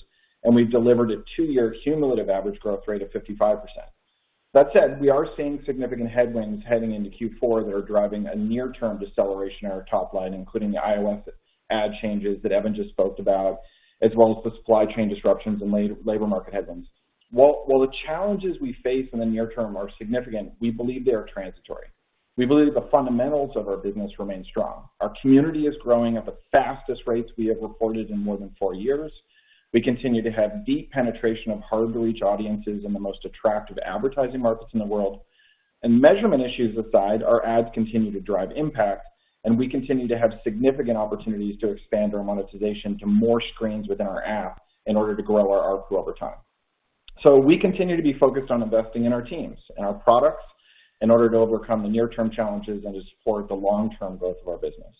and we've delivered a two-year cumulative average growth rate of 55%. That said, we are seeing significant headwinds heading into Q4 that are driving a near-term deceleration in our top line, including the iOS ad changes that Evan just spoke about, as well as the supply chain disruptions and labor market headwinds. While the challenges we face in the near term are significant, we believe they are transitory. We believe that the fundamentals of our business remain strong. Our community is growing at the fastest rates we have reported in more than four years. We continue to have deep penetration of hard-to-reach audiences in the most attractive advertising markets in the world. Measurement issues aside, our ads continue to drive impact, and we continue to have significant opportunities to expand our monetization to more screens within our app in order to grow our ARPU over time. We continue to be focused on investing in our teams and our products in order to overcome the near-term challenges and to support the long-term growth of our business.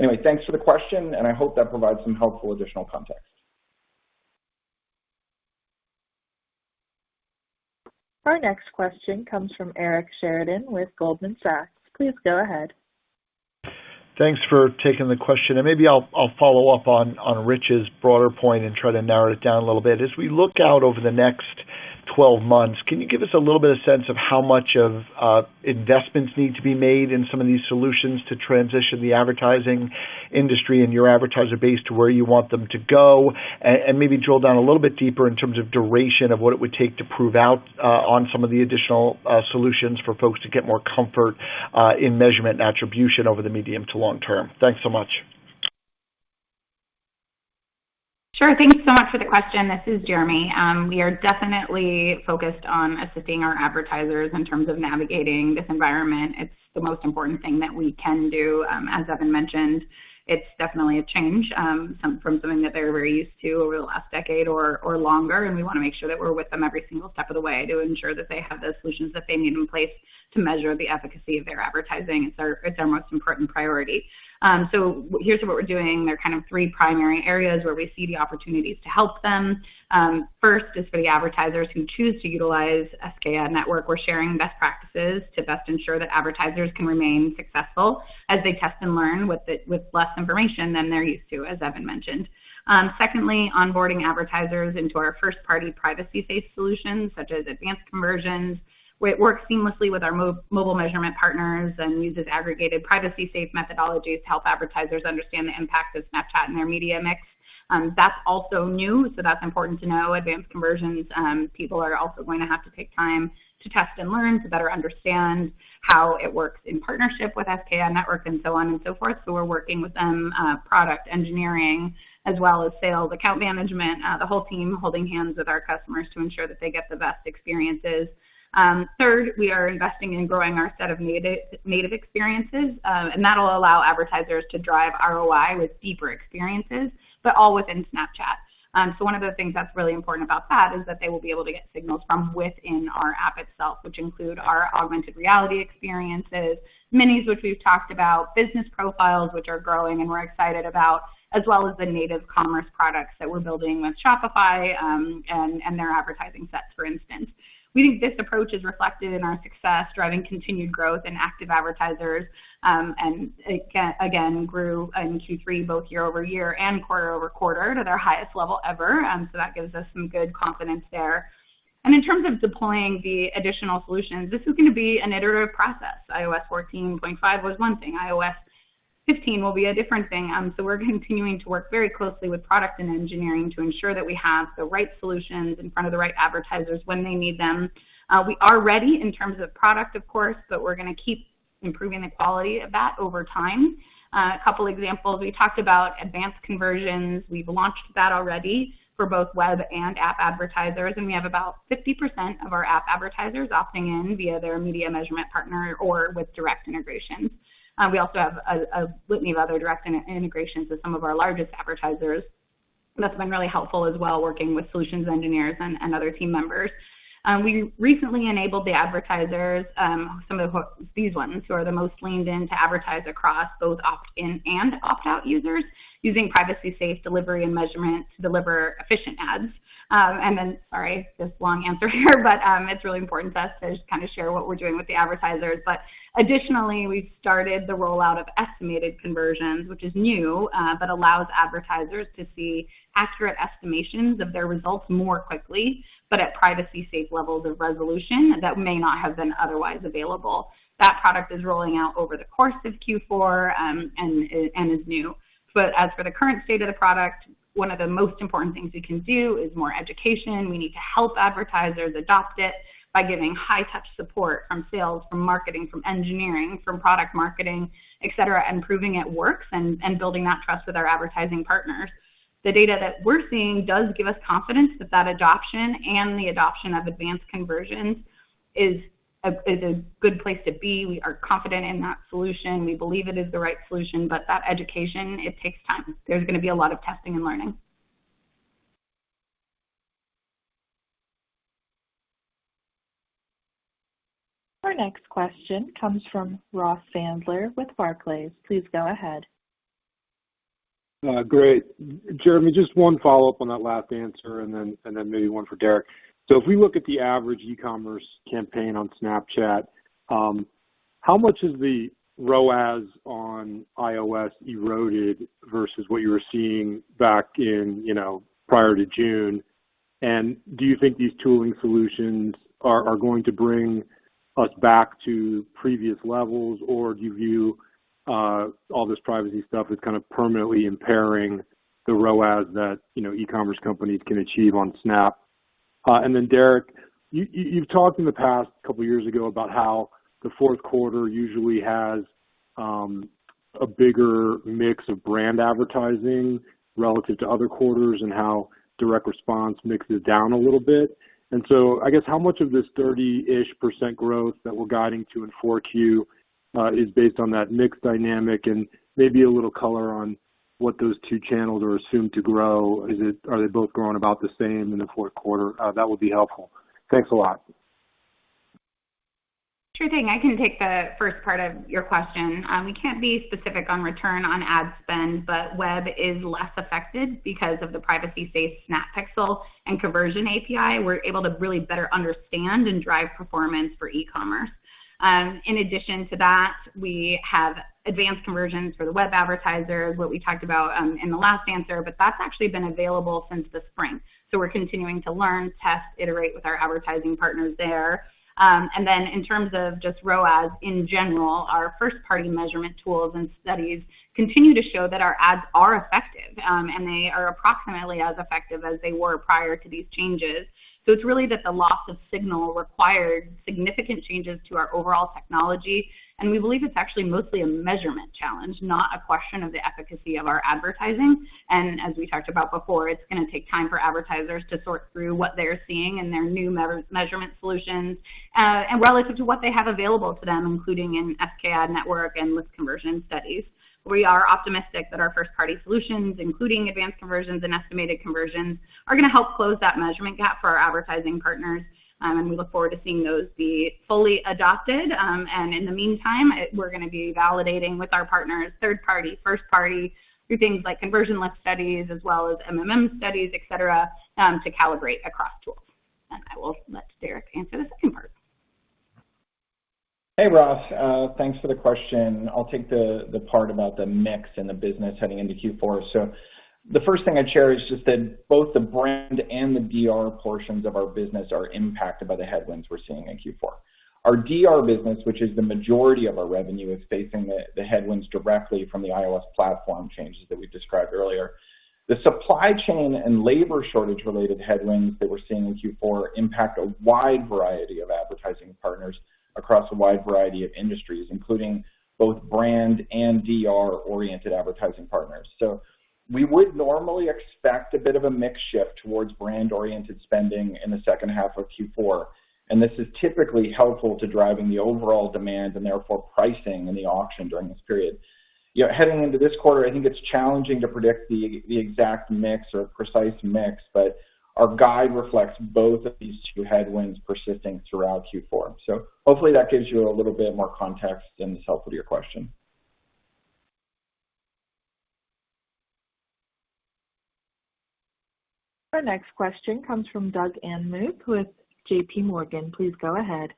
Anyway, thanks for the question, and I hope that provides some helpful additional context. Our next question comes from Eric Sheridan with Goldman Sachs. Please go ahead. Thanks for taking the question, and maybe I'll follow up on Rich's broader point and try to narrow it down a little bit. As we look out over the next 12 months, can you give us a little bit of sense of how much of investments need to be made in some of these solutions to transition the advertising industry and your advertiser base to where you want them to go? Maybe drill down a little bit deeper in terms of duration of what it would take to prove out on some of the additional solutions for folks to get more comfort in measurement and attribution over the medium to long term. Thanks so much. Sure. Thank you so much for the question. This is Jeremi. We are definitely focused on assisting our advertisers in terms of navigating this environment. It's the most important thing that we can do. As Evan mentioned, it's definitely a change from something that they were very used to over the last decade or longer, and we want to make sure that we're with them every single step of the way to ensure that they have the solutions that they need in place to measure the efficacy of their advertising. It's our most important priority. Here's what we're doing. There are kind of three primary areas where we see the opportunities to help them. First is for the advertisers who choose to utilize SKAdNetwork. We're sharing best practices to best ensure that advertisers can remain successful as they test and learn with less information than they're used to, as Evan mentioned. Secondly, onboarding advertisers into our first-party privacy-safe solutions, such as Advanced Conversions, where it works seamlessly with our mobile measurement partners and uses aggregated privacy-safe methodologies to help advertisers understand the impact of Snapchat in their media mix. That's also new, so that's important to know. Advanced Conversions, people are also going to have to take time to test and learn to better understand how it works in partnership with SKAdNetwork and so on and so forth. We're working with them, product engineering, as well as sales, account management, the whole team holding hands with our customers to ensure that they get the best experiences. Third, we are investing in growing our set of native experiences. That'll allow advertisers to drive ROI with deeper experiences, but all within Snapchat. One of the things that's really important about that is that they will be able to get signals from within our app itself, which include our augmented reality experiences, Minis, which we've talked about, business profiles, which are growing and we're excited about, as well as the native commerce products that we're building with Shopify, and their advertising sets, for instance. We think this approach is reflected in our success driving continued growth in active advertisers, and it again grew in Q3 both year-over-year and quarter-over-quarter to their highest level ever. That gives us some good confidence there. In terms of deploying the additional solutions, this is going to be an iterative process. iOS 14.5 was one thing. iOS 15 will be a different thing. We're continuing to work very closely with product and engineering to ensure that we have the right solutions in front of the right advertisers when they need them. We are ready in terms of product, of course, but we're going to keep improving the quality of that over time. A couple examples, we talked about Advanced Conversions. We've launched that already for both web and app advertisers, and we have about 50% of our app advertisers opting in via their media measurement partner or with direct integrations. We also have a litany of other direct integrations with some of our largest advertisers. That's been really helpful as well, working with solutions engineers and other team members. We recently enabled the advertisers, some of these ones who are the most leaned in to advertise across both opt-in and opt-out users using privacy-safe delivery and measurement to deliver efficient ads. Sorry, just long answer here, but it's really important to us to just kind of share what we're doing with the advertisers. Additionally, we've started the rollout of Estimated Conversions, which is new, but allows advertisers to see accurate estimations of their results more quickly, but at privacy-safe levels of resolution that may not have been otherwise available. That product is rolling out over the course of Q4, and is new. As for the current state of the product, one of the most important things we can do is more education. We need to help advertisers adopt it by giving high-touch support from sales, from marketing, from engineering, from product marketing, et cetera, and proving it works and building that trust with our advertising partners. The data that we're seeing does give us confidence that that adoption and the adoption of Advanced Conversions is a good place to be. We are confident in that solution. We believe it is the right solution, but that education, it takes time. There's going to be a lot of testing and learning. Our next question comes from Ross Sandler with Barclays. Please go ahead. Great. Jeremi, just one follow-up on that last answer, and then maybe one for Derek. If we look at the average e-commerce campaign on Snapchat, how much is the ROAS on iOS eroded versus what you were seeing back prior to June? Do you think these tooling solutions are going to bring us back to previous levels, or do you view all this privacy stuff as kind of permanently impairing the ROAS that e-commerce companies can achieve on Snap? Derek, you've talked in the past couple years ago about how the fourth quarter usually has a bigger mix of brand advertising relative to other quarters, and how direct response mixes down a little bit. I guess, how much of this 30-ish percent growth that we're guiding to in 4Q is based on that mix dynamic? Maybe a little color on what those two channels are assumed to grow. Are they both growing about the same in the fourth quarter? That would be helpful. Thanks a lot. Sure thing. I can take the first part of your question. We can't be specific on return on ad spend, but web is less affected because of the privacy-safe Snap Pixel and Conversions API. We're able to really better understand and drive performance for e-commerce. In addition to that, we have Advanced Conversions for the web advertisers, what we talked about in the last answer, but that's actually been available since the spring. We're continuing to learn, test, iterate with our advertising partners there. Then in terms of just ROAS in general, our first-party measurement tools and studies continue to show that our ads are effective, and they are approximately as effective as they were prior to these changes. It's really that the loss of signal required significant changes to our overall technology, and we believe it's actually mostly a measurement challenge, not a question of the efficacy of our advertising. As we talked about before, it's going to take time for advertisers to sort through what they're seeing in their new measurement solutions, and relative to what they have available to them, including in SKAdNetwork and lift conversion studies. We are optimistic that our first-party solutions, including Advanced Conversions and Estimated Conversions, are going to help close that measurement gap for our advertising partners, and we look forward to seeing those be fully adopted. In the meantime, we're going to be validating with our partners, third party, first party, through things like conversion lift studies as well as MMM studies, et cetera, to calibrate across tools. I will let Derek answer the second part. Hey, Ross. Thanks for the question. I'll take the part about the mix and the business heading into Q4. The first thing I'd share is just that both the brand and the DR portions of our business are impacted by the headwinds we're seeing in Q4. Our DR business, which is the majority of our revenue, is facing the headwinds directly from the iOS platform changes that we described earlier. The supply chain and labor shortage-related headwinds that we're seeing in Q4 impact a wide variety of advertising partners across a wide variety of industries, including both brand and DR-oriented advertising partners. We would normally expect a bit of a mix shift towards brand-oriented spending in the second half of Q4, and this is typically helpful to driving the overall demand, and therefore pricing in the auction during this period. Heading into this quarter, I think it's challenging to predict the exact mix or precise mix, but our guide reflects both of these two headwinds persisting throughout Q4. Hopefully that gives you a little bit more context and is helpful to your question. Our next question comes from Doug Anmuth with J.P. Morgan. Please go ahead.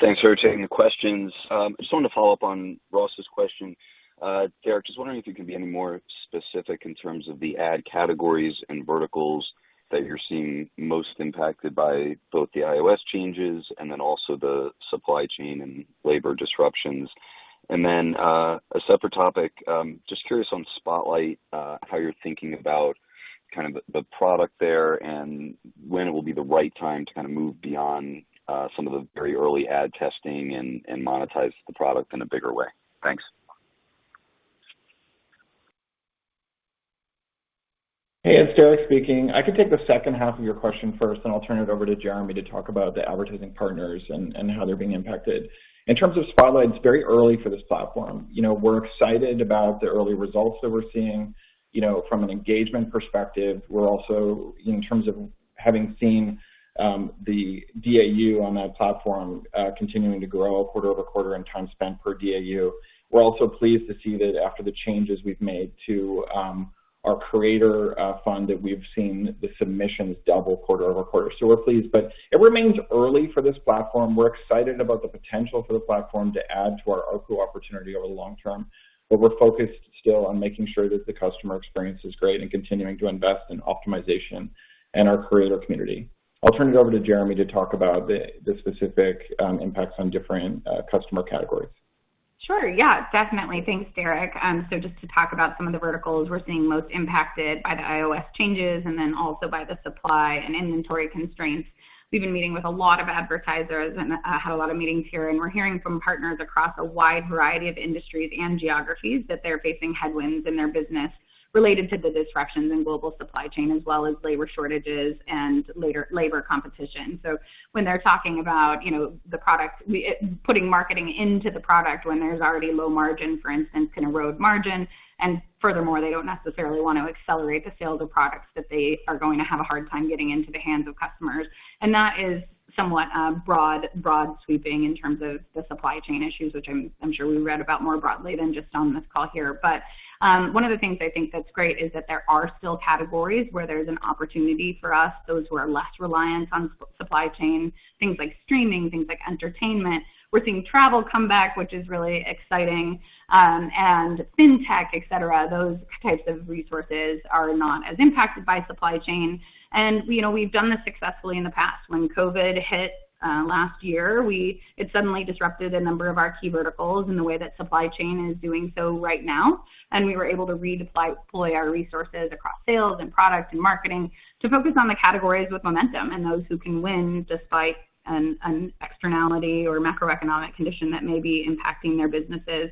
Thanks for taking the questions. I just wanted to follow up on Ross's question. Derek, just wondering if you can be any more specific in terms of the ad categories and verticals that you're seeing most impacted by both the iOS changes and then also the supply chain and labor disruptions. A separate topic, just curious on Spotlight, how you're thinking about kind of the product there and when it will be the right time to kind of move beyond some of the very early ad testing and monetize the product in a bigger way. Thanks. Hey, it's Derek speaking. I can take the second half of your question first, then I'll turn it over to Jeremi to talk about the advertising partners and how they're being impacted. In terms of Spotlight, it's very early for this platform. We're excited about the early results that we're seeing. From an engagement perspective, we're also, in terms of having seen the DAU on that platform continuing to grow quarter-over-quarter and time spent per DAU. We're also pleased to see that after the changes we've made to our creator fund, that we've seen the submissions double quarter-over-quarter. We're pleased, but it remains early for this platform. We're excited about the potential for the platform to add to our ARPU opportunity over the long term. We're focused still on making sure that the customer experience is great and continuing to invest in optimization and our creator community. I'll turn it over to Jeremi to talk about the specific impacts on different customer categories. Sure, yeah. Definitely. Thanks, Derek. Just to talk about some of the verticals we're seeing most impacted by the iOS changes and then also by the supply and inventory constraints. We've been meeting with a lot of advertisers and had a lot of meetings here, and we're hearing from partners across a wide variety of industries and geographies that they're facing headwinds in their business related to the disruptions in global supply chain, as well as labor shortages and labor competition. When they're talking about putting marketing into the product when there's already low margin, for instance, can erode margin, and furthermore, they don't necessarily want to accelerate the sale of the products that they are going to have a hard time getting into the hands of customers. That is somewhat broad-sweeping in terms of the supply chain issues, which I'm sure we read about more broadly than just on this call here. One of the things I think that's great is that there are still categories where there's an opportunity for us, those who are less reliant on supply chain, things like streaming, things like entertainment. We're seeing travel come back, which is really exciting. Fintech, et cetera, those types of resources are not as impacted by supply chain. We've done this successfully in the past. When COVID hit last year, it suddenly disrupted a number of our key verticals in the way that supply chain is doing so right now, and we were able to redeploy our resources across sales and product and marketing to focus on the categories with momentum and those who can win despite an externality or macroeconomic condition that may be impacting their businesses.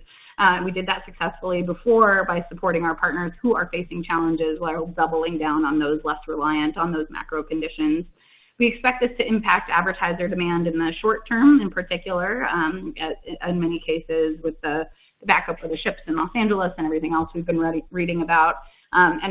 We did that successfully before by supporting our partners who are facing challenges while doubling down on those less reliant on those macro conditions. We expect this to impact advertiser demand in the short term, in particular, in many cases with the backup of the ships in Los Angeles and everything else we've been reading about.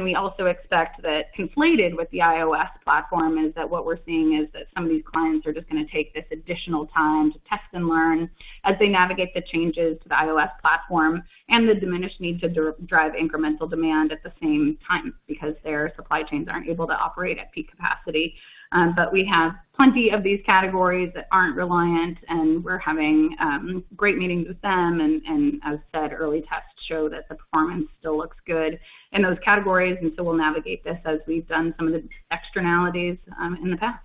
We also expect that conflated with the iOS platform is that what we're seeing is that some of these clients are just going to take this additional time to test and learn as they navigate the changes to the iOS platform and the diminished need to drive incremental demand at the same time because their supply chains aren't able to operate at peak capacity. We have plenty of these categories that aren't reliant, and we're having great meetings with them, and as said, early tests show that the performance still looks good in those categories. We'll navigate this as we've done some of the externalities in the past.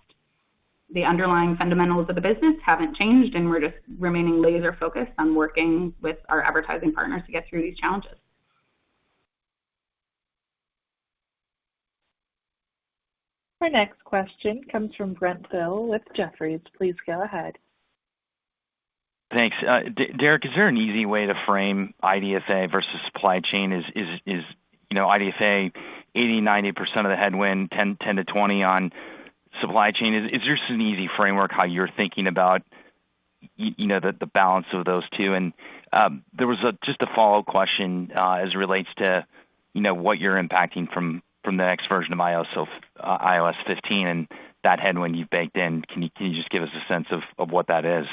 The underlying fundamentals of the business haven't changed, and we're just remaining laser-focused on working with our advertising partners to get through these challenges. Our next question comes from Brent Thill with Jefferies. Please go ahead. Thanks. Derek, is there an easy way to frame IDFA versus supply chain? Is IDFA 80%, 90% of the headwind, 10%-20% on supply chain? Is there an easy framework how you're thinking about the balance of those two? There was just a follow-up question as it relates to what you're impacting from the next version of iOS, so iOS 15 and that headwind you've baked in. Can you just give us a sense of what that is?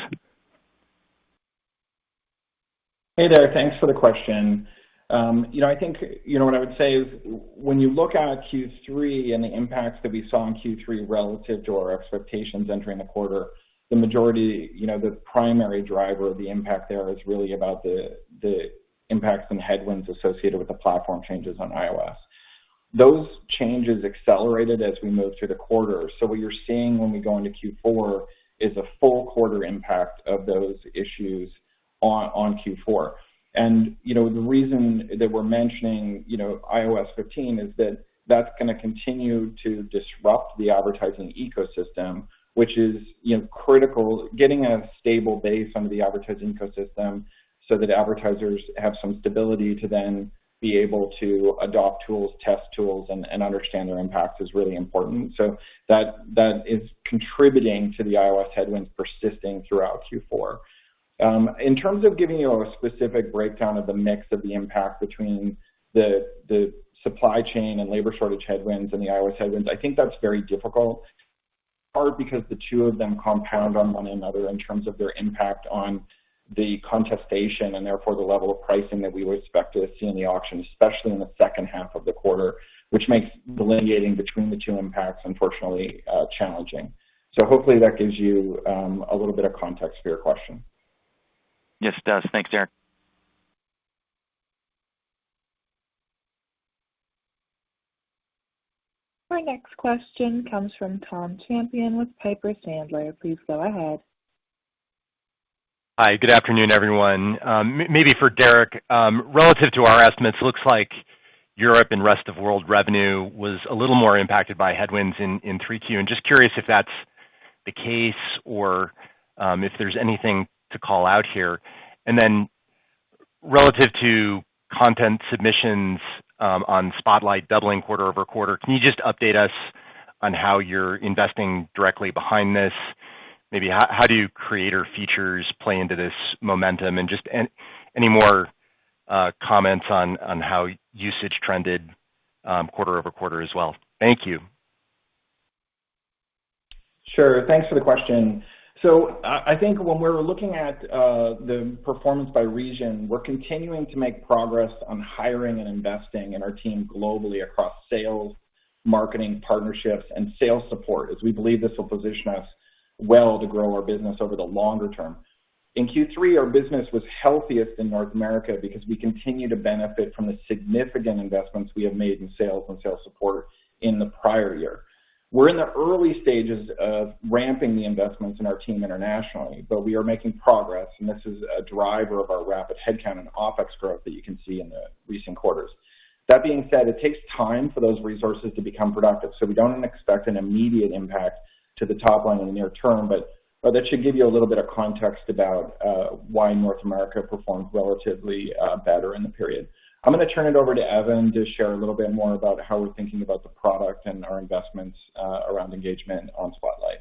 Hey there. Thanks for the question. I think what I would say is when you look out at Q3 and the impacts that we saw in Q3 relative to our expectations entering the quarter, the primary driver of the impact there is really about the impacts and headwinds associated with the platform changes on iOS. Those changes accelerated as we moved through the quarter. What you're seeing when we go into Q4 is a full quarter impact of those issues on Q4. The reason that we're mentioning iOS 15 is that that's going to continue to disrupt the advertising ecosystem, which is critical. Getting a stable base under the advertising ecosystem so that advertisers have some stability to then be able to adopt tools, test tools, and understand their impact is really important. That is contributing to the iOS headwinds persisting throughout Q4. In terms of giving you a specific breakdown of the mix of the impact between the supply chain and labor shortage headwinds and the iOS headwinds, I think that's very difficult. Part because the two of them compound on one another in terms of their impact on the competition and therefore the level of pricing that we would expect to see in the auction, especially in the second half of the quarter, which makes delineating between the two impacts unfortunately challenging. Hopefully that gives you a little bit of context for your question. Yes, it does. Thanks, Derek. Our next question comes from Tom Champion with Piper Sandler. Please go ahead. Hi, good afternoon, everyone. Maybe for Derek, relative to our estimates, looks like Europe and rest of world revenue was a little more impacted by headwinds in 3Q. Just curious if that's the case or if there's anything to call out here. Relative to content submissions on Spotlight doubling quarter-over-quarter, can you just update us on how you're investing directly behind this? Maybe how do creator features play into this momentum? Just any more comments on how usage trended quarter-over-quarter as well? Thank you. Sure. Thanks for the question. I think when we're looking at the performance by region, we're continuing to make progress on hiring and investing in our team globally across sales, marketing partnerships, and sales support, as we believe this will position us well to grow our business over the longer term. In Q3, our business was healthiest in North America because we continue to benefit from the significant investments we have made in sales and sales support in the prior year. We're in the early stages of ramping the investments in our team internationally, but we are making progress, and this is a driver of our rapid headcount and OpEx growth that you can see in the recent quarters. It takes time for those resources to become productive, so we don't expect an immediate impact to the top line in the near term, but that should give you a little bit of context about why North America performed relatively better in the period. I'm going to turn it over to Evan to share a little bit more about how we're thinking about the product and our investments around engagement on Spotlight.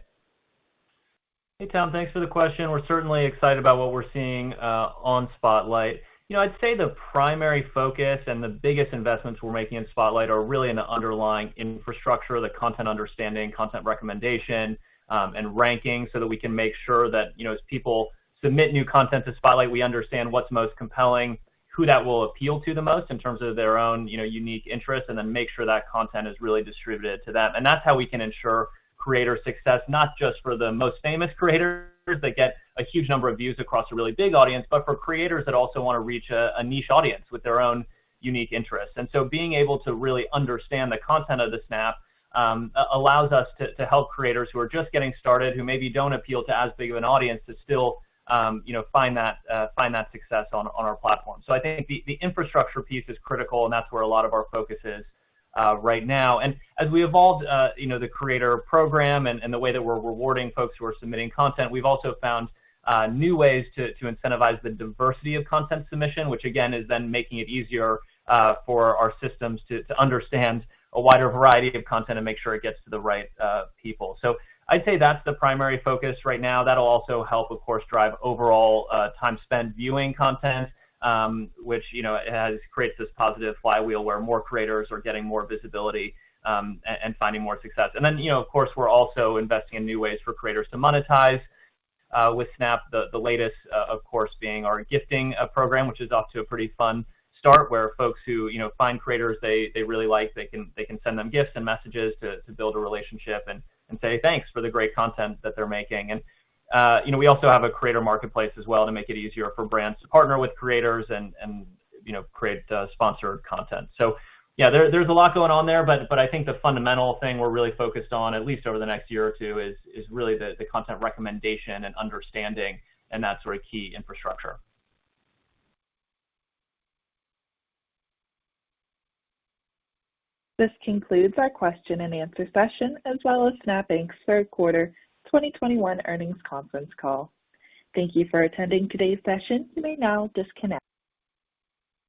Hey, Tom, thanks for the question. We're certainly excited about what we're seeing on Spotlight. I'd say the primary focus and the biggest investments we're making in Spotlight are really in the underlying infrastructure, the content understanding, content recommendation, and ranking, so that we can make sure that as people submit new content to Spotlight, we understand what's most compelling, who that will appeal to the most in terms of their own unique interests, and then make sure that content is really distributed to them. That's how we can ensure creator success, not just for the most famous creators that get a huge number of views across a really big audience, but for creators that also want to reach a niche audience with their own unique interests. Being able to really understand the content of the Snap allows us to help creators who are just getting started, who maybe don't appeal to as big of an audience, to still find that success on our platform. I think the infrastructure piece is critical, and that's where a lot of our focus is right now. As we evolved the creator program and the way that we're rewarding folks who are submitting content, we've also found new ways to incentivize the diversity of content submission, which again, is then making it easier for our systems to understand a wider variety of content and make sure it gets to the right people. I'd say that's the primary focus right now. That'll also help, of course, drive overall time spent viewing content, which has created this positive flywheel where more creators are getting more visibility and finding more success. Of course, we're also investing in new ways for creators to monetize with Snap. The latest, of course, being our gifting program, which is off to a pretty fun start, where folks who find creators, they really like, they can send them gifts and messages to build a relationship and say, "Thanks for the great content that they're making." We also have a creator marketplace as well to make it easier for brands to partner with creators and create sponsored content. Yeah, there's a lot going on there, but I think the fundamental thing we're really focused on, at least over the next year or two, is really the content recommendation and understanding and that sort of key infrastructure. This concludes our question-and-answer session, as well as Snap Inc.'s third quarter 2021 earnings conference call. Thank you for attending today's session. You may now disconnect.